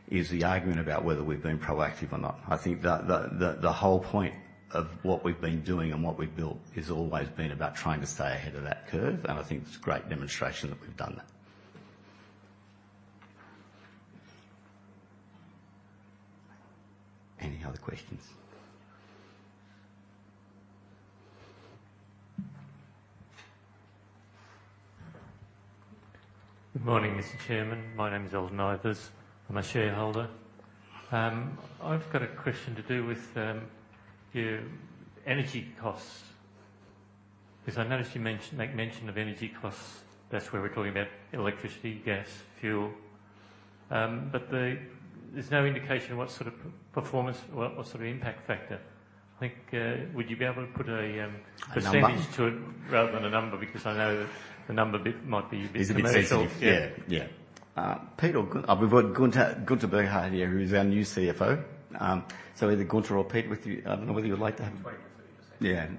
is the argument about whether we've been proactive or not. I think the whole point of what we've been doing and what we've built has always been about trying to stay ahead of that curve, and I think it's a great demonstration that we've done that. Any other questions? Good morning, Mr. Chairman. My name is Elton Ivers. I'm a shareholder. I've got a question to do with your energy costs, because I noticed you mentioned energy costs. That's where we're talking about electricity, gas, fuel. But the... There's no indication of what sort of performance or what sort of impact factor. I think, would you be able to put a percentage- A number? to it rather than a number? Because I know the number bit might be- Is a bit sensitive. Yeah. Yeah. Pete or Gunther. We've got Gunther Burghardt, who is our new CFO. So either Gunther or Pete with you. I don't know whether you'd like to have- 20%-30%. Yeah. 20, 30.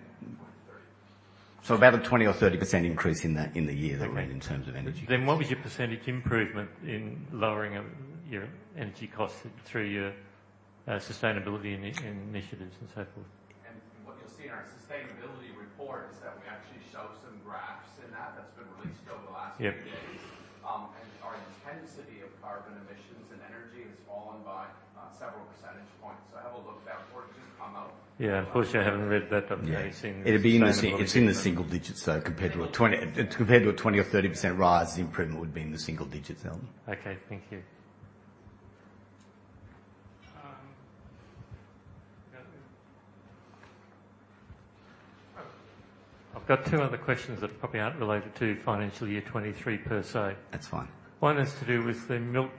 So about a 20% or 30% increase in the year that we made in terms of energy. Then what was your percentage improvement in lowering of your energy costs through your sustainability initiatives and so forth? What you'll see in our sustainability report is that we actually show some graphs in that. That's been released over the last few days. Yeah. And our intensity of carbon emissions and energy has fallen by several percentage points. So have a look. That report just come out. Yeah, of course, I haven't read that up yet. Yeah. I've seen- It's in the single digits, though, compared to a 20 or 30% rise. The improvement would be in the single digits, Elton. Okay, thank you. I've got two other questions that probably aren't related to financial year 23 per se. That's fine. One has to do with the milk,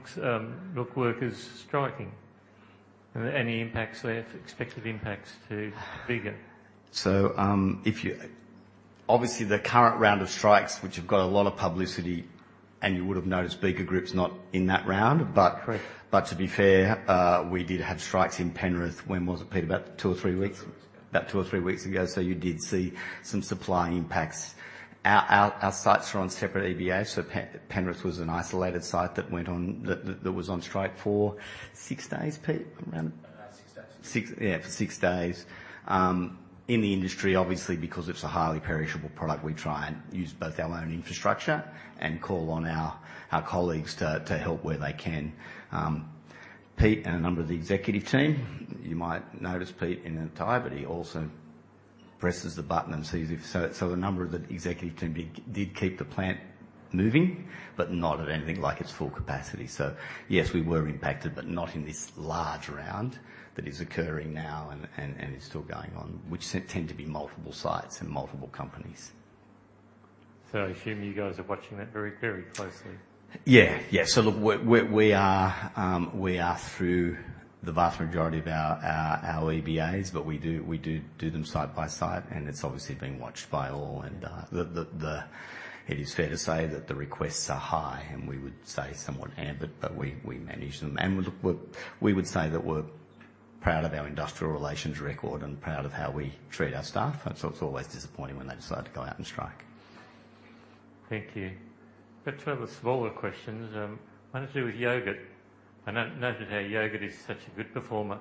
milk workers striking. Are there any impacts there, expected impacts to Bega? So, if you... Obviously, the current round of strikes, which have got a lot of publicity, and you would have noticed Bega Group's not in that round, but- Correct. But to be fair, we did have strikes in Penrith. When was it, Pete? About two or three weeks? About two or three weeks. About two or three weeks ago, so you did see some supply impacts. Our sites are on separate EBAs, so Penrith was an isolated site that went on strike for six days, Pete, around? About six days. Six, yeah, for six days. In the industry, obviously, because it's a highly perishable product, we try and use both our own infrastructure and call on our colleagues to help where they can. Pete and a number of the executive team, you might notice Pete in entirety, but he also presses the button and sees if... So the number of the executive team did keep the plant moving, but not at anything like its full capacity. So yes, we were impacted, but not in this large round that is occurring now and is still going on, which tend to be multiple sites and multiple companies. I assume you guys are watching that very, very closely? Yeah. Yeah. So look, we're, we are through the vast majority of our EBAs, but we do them side by side, and it's obviously being watched by all. It is fair to say that the requests are high, and we would say somewhat ambit, but we manage them. And look, we would say that we're proud of our industrial relations record and proud of how we treat our staff. And so it's always disappointing when they decide to go out and strike. Thank you. I've got two other smaller questions. One has to do with yogurt. I noticed how yogurt is such a good performer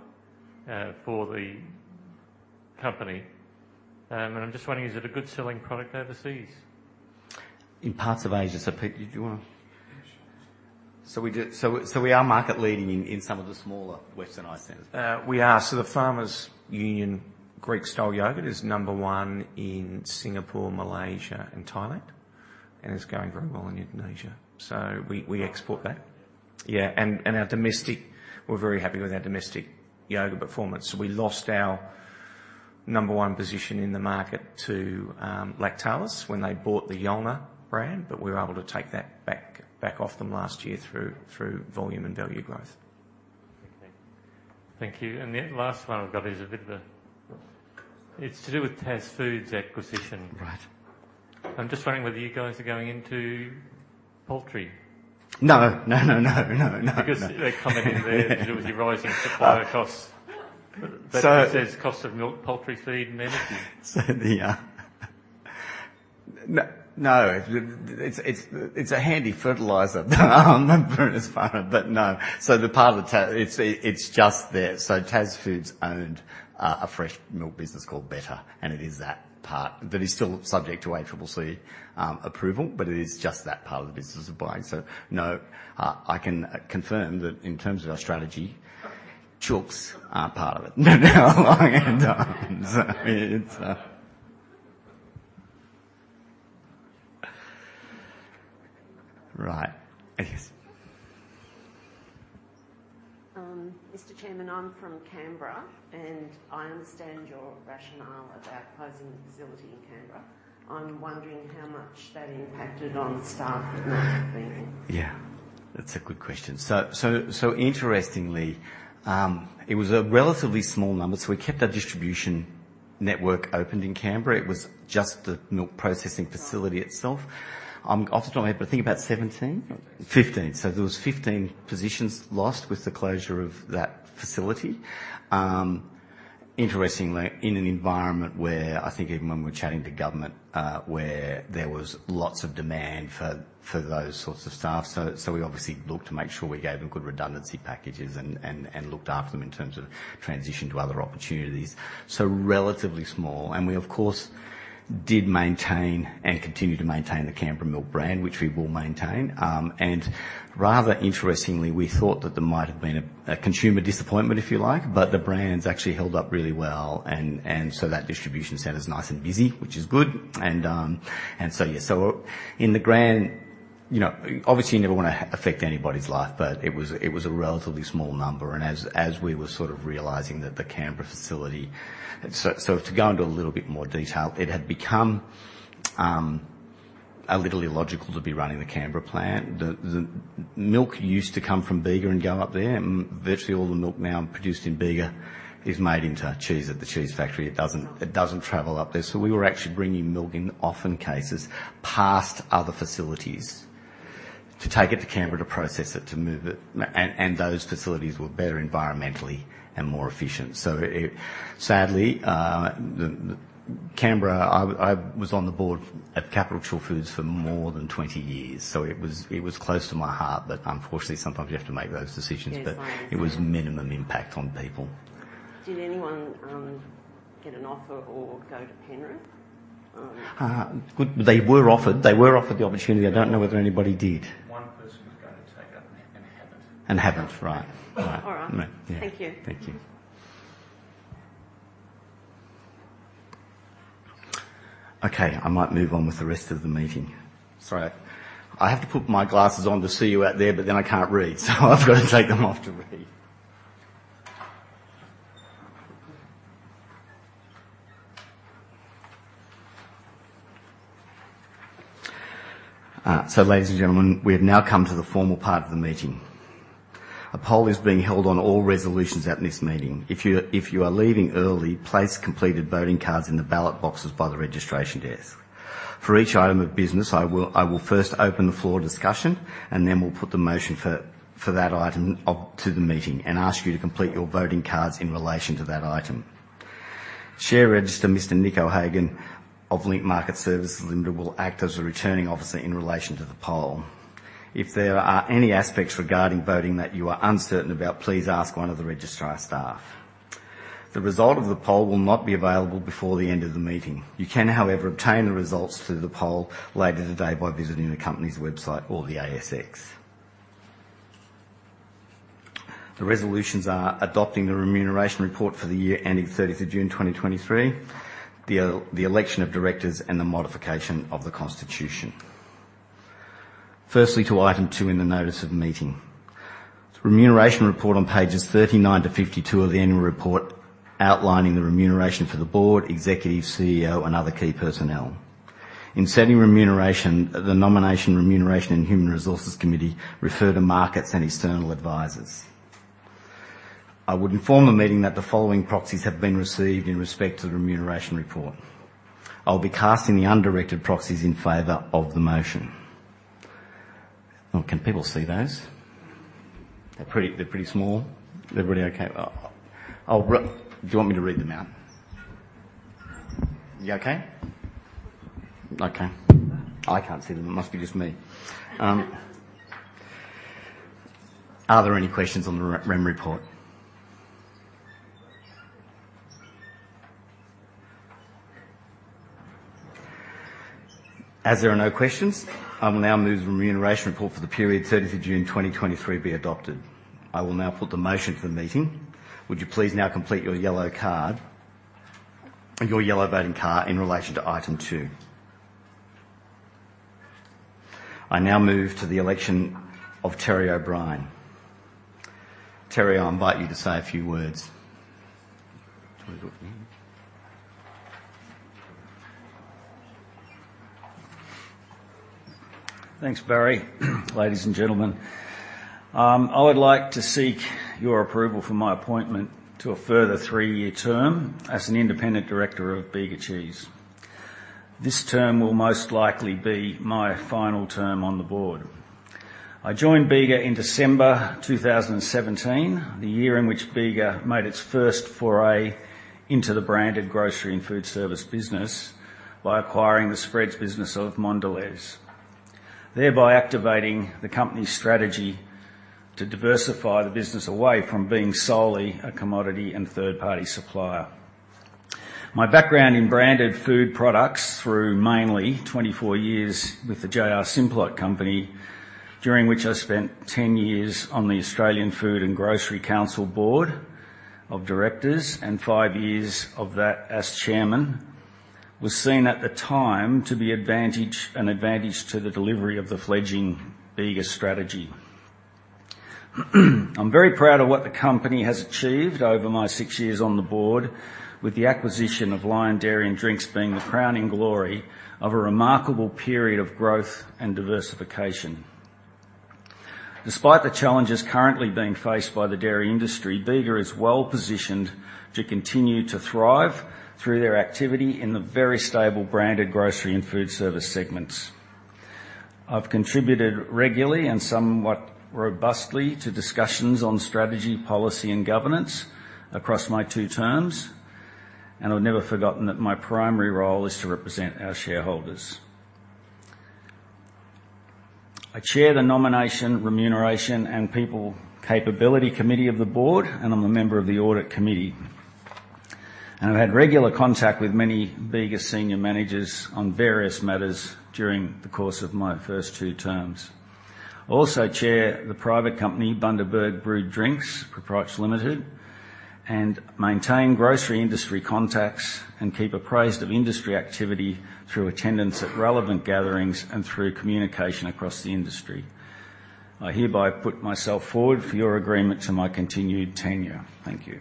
for the company. And I'm just wondering, is it a good selling product overseas? In parts of Asia. So, Pete, did you wanna? Sure. So we are market leading in some of the smaller Westernized centers. We are. So the Farmers Union Greek-style yogurt is number one in Singapore, Malaysia, and Thailand, and it's going very well in Indonesia. So we export that. Yeah, and our domestic, we're very happy with our domestic yogurt performance. We lost our number one position in the market to Lactalis when they bought the Jalna brand, but we were able to take that back off them last year through volume and value growth. Okay. Thank you. And the last one I've got is a bit of a... It's to do with TasFoods acquisition. Right. I'm just wondering whether you guys are going into poultry? No, no, no, no, no, no. Because they're commenting there to do with your rising supply costs. So- It says, "Cost of milk, poultry feed, and energy. So the no, it's a handy fertilizer for the farmer, but no. So the part of the TasFoods. It's just there. So TasFoods owned a fresh milk business called Betta, and it is that part that is still subject to ACCC approval, but it is just that part of the business we're buying. So, no, I can confirm that in terms of our strategy, chooks aren't part of it. No, long times. It's... Right. Yes. Mr. Chairman, I'm from Canberra, and I understand your rationale about closing the facility in Canberra. I'm wondering how much that impacted on staff at milk cleaning? Yeah, that's a good question. So interestingly, it was a relatively small number, so we kept our distribution network opened in Canberra. It was just the milk processing facility itself. Off the top of my head, but I think about 17? 15. 15. So there was 15 positions lost with the closure of that facility. Interestingly, in an environment where I think even when we're chatting to government, where there was lots of demand for those sorts of staff, so we obviously looked to make sure we gave them good redundancy packages and looked after them in terms of transition to other opportunities. So relatively small, and we, of course, did maintain and continue to maintain the Canberra Milk brand, which we will maintain. And rather interestingly, we thought that there might have been a consumer disappointment, if you like, but the brand's actually held up really well, and so that distribution center is nice and busy, which is good. Yeah. So in the grand... You know, obviously, you never wanna affect anybody's life, but it was, it was a relatively small number. And as, as we were sort of realizing that the Canberra facility. So, so to go into a little bit more detail, it had become a little illogical to be running the Canberra plant. The, the milk used to come from Bega and go up there, and virtually all the milk now produced in Bega is made into cheese at the cheese factory. It doesn't, it doesn't travel up there. So we were actually bringing milk in often cases, past other facilities, to take it to Canberra to process it, to move it, and, and those facilities were better environmentally and more efficient. So it... Sadly, the Canberra. I was on the board at Capitol Chilled Foods for more than 20 years, so it was close to my heart, but unfortunately, sometimes you have to make those decisions. Yes, I understand. But it was minimum impact on people. Did anyone get an offer or go to Penrith? They were offered, they were offered the opportunity. I don't know whether anybody did. One person was going to take up, and haven't. Haven't. Right. Right. All right. Yeah. Thank you. Thank you. Okay, I might move on with the rest of the meeting. Sorry, I have to put my glasses on to see you out there, but then I can't read, so I've got to take them off to read. So ladies and gentlemen, we have now come to the formal part of the meeting. A poll is being held on all resolutions at this meeting. If you're, if you are leaving early, place completed voting cards in the ballot boxes by the registration desk. For each item of business, I will, I will first open the floor discussion and then we'll put the motion for, for that item up to the meeting and ask you to complete your voting cards in relation to that item. Share Registrar, Mr. Nick O'Hagan of Link Market Services Limited, will act as a returning officer in relation to the poll. If there are any aspects regarding voting that you are uncertain about, please ask one of the registrar staff. The result of the poll will not be available before the end of the meeting. You can, however, obtain the results through the poll later today by visiting the company's website or the ASX. The resolutions are: adopting the remuneration report for the year ending 30 June 2023, the election of directors, and the modification of the constitution. First, to item two in the notice of the meeting. The remuneration report on pages 39-52 of the annual report, outlining the remuneration for the board, executive, CEO, and other key personnel. In setting remuneration, the Nomination, Remuneration, and Human Resources Committee refer to markets and external advisors. I would inform the meeting that the following proxies have been received in respect to the remuneration report. I'll be casting the undirected proxies in favor of the motion. Oh, can people see those? They're pretty, they're pretty small. Everybody okay? I'll. Do you want me to read them out? You okay? Okay. I can't see them. It must be just me. Are there any questions on the remuneration report? As there are no questions, I will now move the remuneration report for the period 30 June 2023, be adopted. I will now put the motion to the meeting. Would you please now complete your yellow card, your yellow voting card in relation to item two. I now move to the election of Terry O'Brien. Terry, I invite you to say a few words. Do you want to go up here? Thanks, Barry. Ladies and gentlemen, I would like to seek your approval for my appointment to a further three-year term as an independent director of Bega Cheese. This term will most likely be my final term on the board. I joined Bega in December 2017, the year in which Bega made its first foray into the branded grocery and food service business by acquiring the spreads business of Mondelez, thereby activating the company's strategy to diversify the business away from being solely a commodity and third-party supplier. My background in branded food products through mainly 24 years with the J.R. Simplot Company, during which I spent 10 years on the Australian Food and Grocery Council Board of Directors, and five years of that as chairman, was seen at the time to be advantage, an advantage to the delivery of the fledgling Bega strategy. I'm very proud of what the company has achieved over my six years on the board, with the acquisition of Lion Dairy & Drinks being the crowning glory of a remarkable period of growth and diversification. Despite the challenges currently being faced by the dairy industry, Bega is well-positioned to continue to thrive through their activity in the very stable branded grocery and food service segments. I've contributed regularly and somewhat robustly to discussions on strategy, policy, and governance across my two terms, and I've never forgotten that my primary role is to represent our shareholders. I chair the Nomination, Remuneration, and People Capability Committee of the board, and I'm a member of the Audit Committee. I've had regular contact with many Bega senior managers on various matters during the course of my first two terms. I also chair the private company, Bundaberg Brewed Drinks Proprietary Limited, and maintain grocery industry contacts and keep apprised of industry activity through attendance at relevant gatherings and through communication across the industry. I hereby put myself forward for your agreement to my continued tenure. Thank you.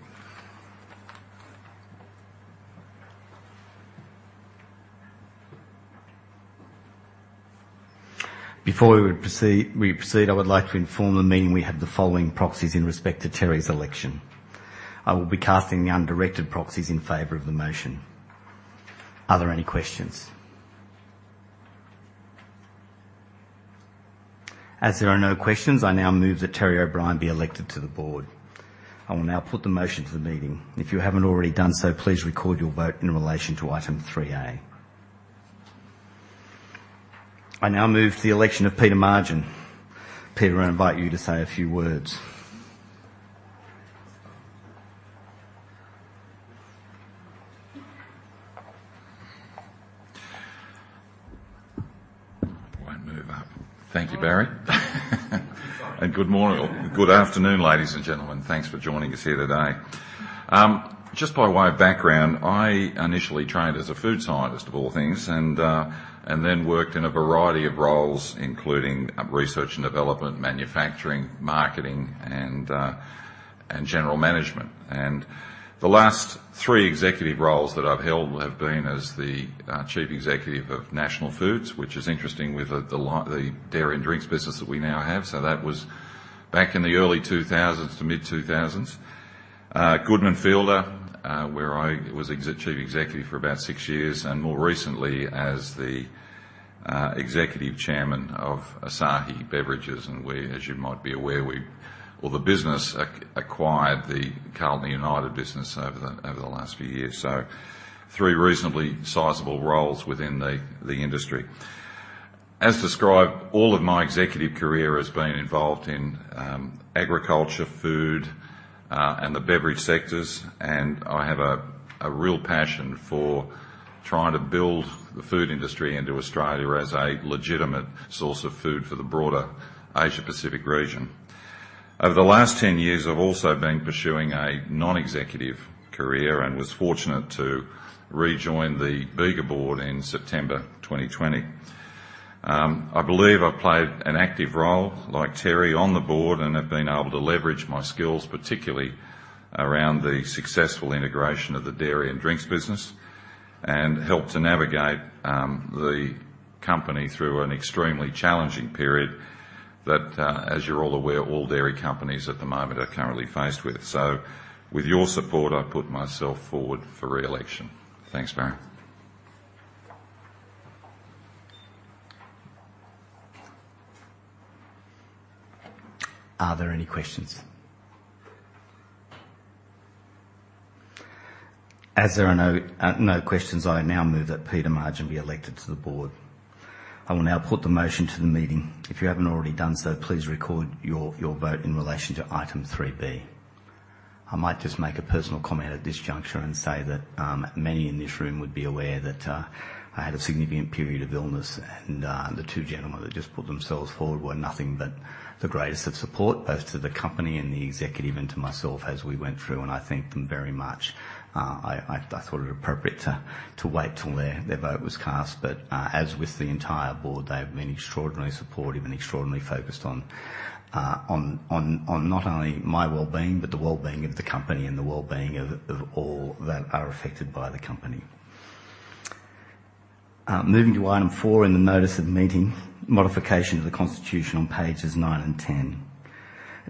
Before we proceed, I would like to inform the meeting we have the following proxies in respect to Terry's election. I will be casting the undirected proxies in favor of the motion. Are there any questions? As there are no questions, I now move that Terry O'Brien be elected to the board. I will now put the motion to the meeting. If you haven't already done so, please record your vote in relation to item 3A. I now move to the election of Peter Margin. Peter, I invite you to say a few words. It won't move up. Thank you, Barry. Good morning. Good afternoon, ladies and gentlemen. Thanks for joining us here today. Just by way of background, I initially trained as a food scientist, of all things, and then worked in a variety of roles, including research and development, manufacturing, marketing, and general management. The last three executive roles that I've held have been as the Chief Executive of National Foods, which is interesting with the dairy and drinks business that we now have. So that was back in the early 2000s to mid-2000s. Goodman Fielder, where I was Chief Executive for about six years, and more recently as the Executive Chairman of Asahi Beverages. As you might be aware, the business acquired the Carlton United business over the last few years. Three reasonably sizable roles within the industry. As described, all of my executive career has been involved in agriculture, food, and the beverage sectors, and I have a real passion for trying to build the food industry into Australia as a legitimate source of food for the broader Asia-Pacific region. Over the last 10 years, I've also been pursuing a non-executive career and was fortunate to rejoin the Bega Board in September 2020. I believe I played an active role, like Terry, on the board and have been able to leverage my skills, particularly around the successful integration of the dairy and drinks business, and helped to navigate the company through an extremely challenging period that, as you're all aware, all dairy companies at the moment are currently faced with. So with your support, I put myself forward for re-election. Thanks, Barry. Are there any questions? As there are no questions, I now move that Peter Margin be elected to the board. I will now put the motion to the meeting. If you haven't already done so, please record your vote in relation to item three B. I might just make a personal comment at this juncture and say that, many in this room would be aware that, I had a significant period of illness, and, the two gentlemen that just put themselves forward were nothing but the greatest of support, both to the company and the executive, and to myself as we went through, and I thank them very much. I thought it appropriate to wait till their vote was cast. But, as with the entire board, they've been extraordinarily supportive and extraordinarily focused on not only my well-being, but the well-being of the company and the well-being of all that are affected by the company. Moving to item four in the notice of the meeting, modification of the Constitution on pages nine and ten.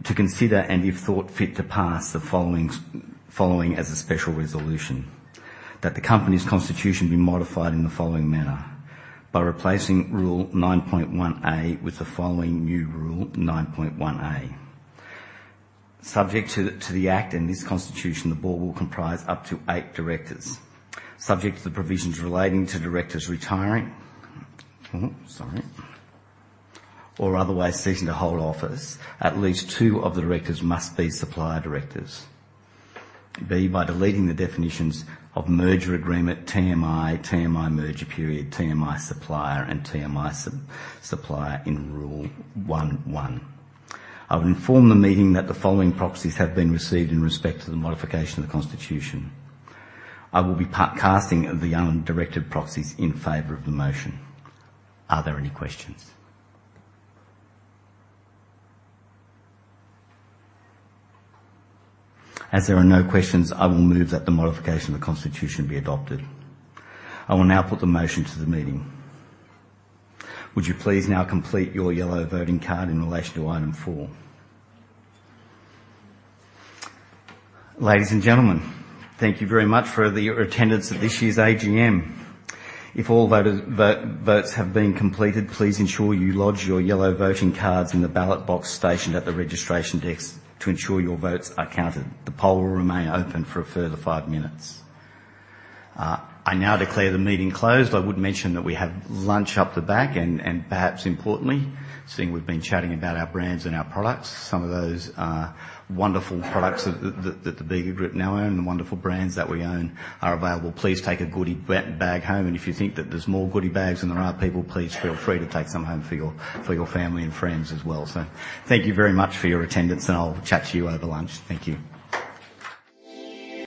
To consider, and if thought fit to pass, the following as a special resolution: That the Company's Constitution be modified in the following manner, by replacing Rule 9.1A with the following new rule, 9.1A. Subject to the Act and this Constitution, the Board will comprise up to eight directors. Subject to the provisions relating to directors retiring or otherwise ceasing to hold office, at least two of the directors must be supplier directors. B, by deleting the definitions of Merger Agreement, TMI, TMI Merger Period, TMI Supplier, and TMI Sub-supplier in Rule 11. I would inform the meeting that the following proxies have been received in respect to the modification of the Constitution. I will be casting the undirected proxies in favor of the motion. Are there any questions? As there are no questions, I will move that the modification of the Constitution be adopted. I will now put the motion to the meeting. Would you please now complete your yellow voting card in relation to item four? Ladies and gentlemen, thank you very much for the attendance of this year's AGM. If all votes have been completed, please ensure you lodge your yellow voting cards in the ballot box stationed at the registration desk to ensure your votes are counted. The poll will remain open for a further five minutes. I now declare the meeting closed. I would mention that we have lunch up the back, and perhaps importantly, seeing we've been chatting about our brands and our products, some of those wonderful products that the Bega Group now own and the wonderful brands that we own are available. Please take a goodie bag home, and if you think that there's more goodie bags than there are people, please feel free to take some home for your family and friends as well. So thank you very much for your attendance, and I'll chat to you over lunch. Thank you.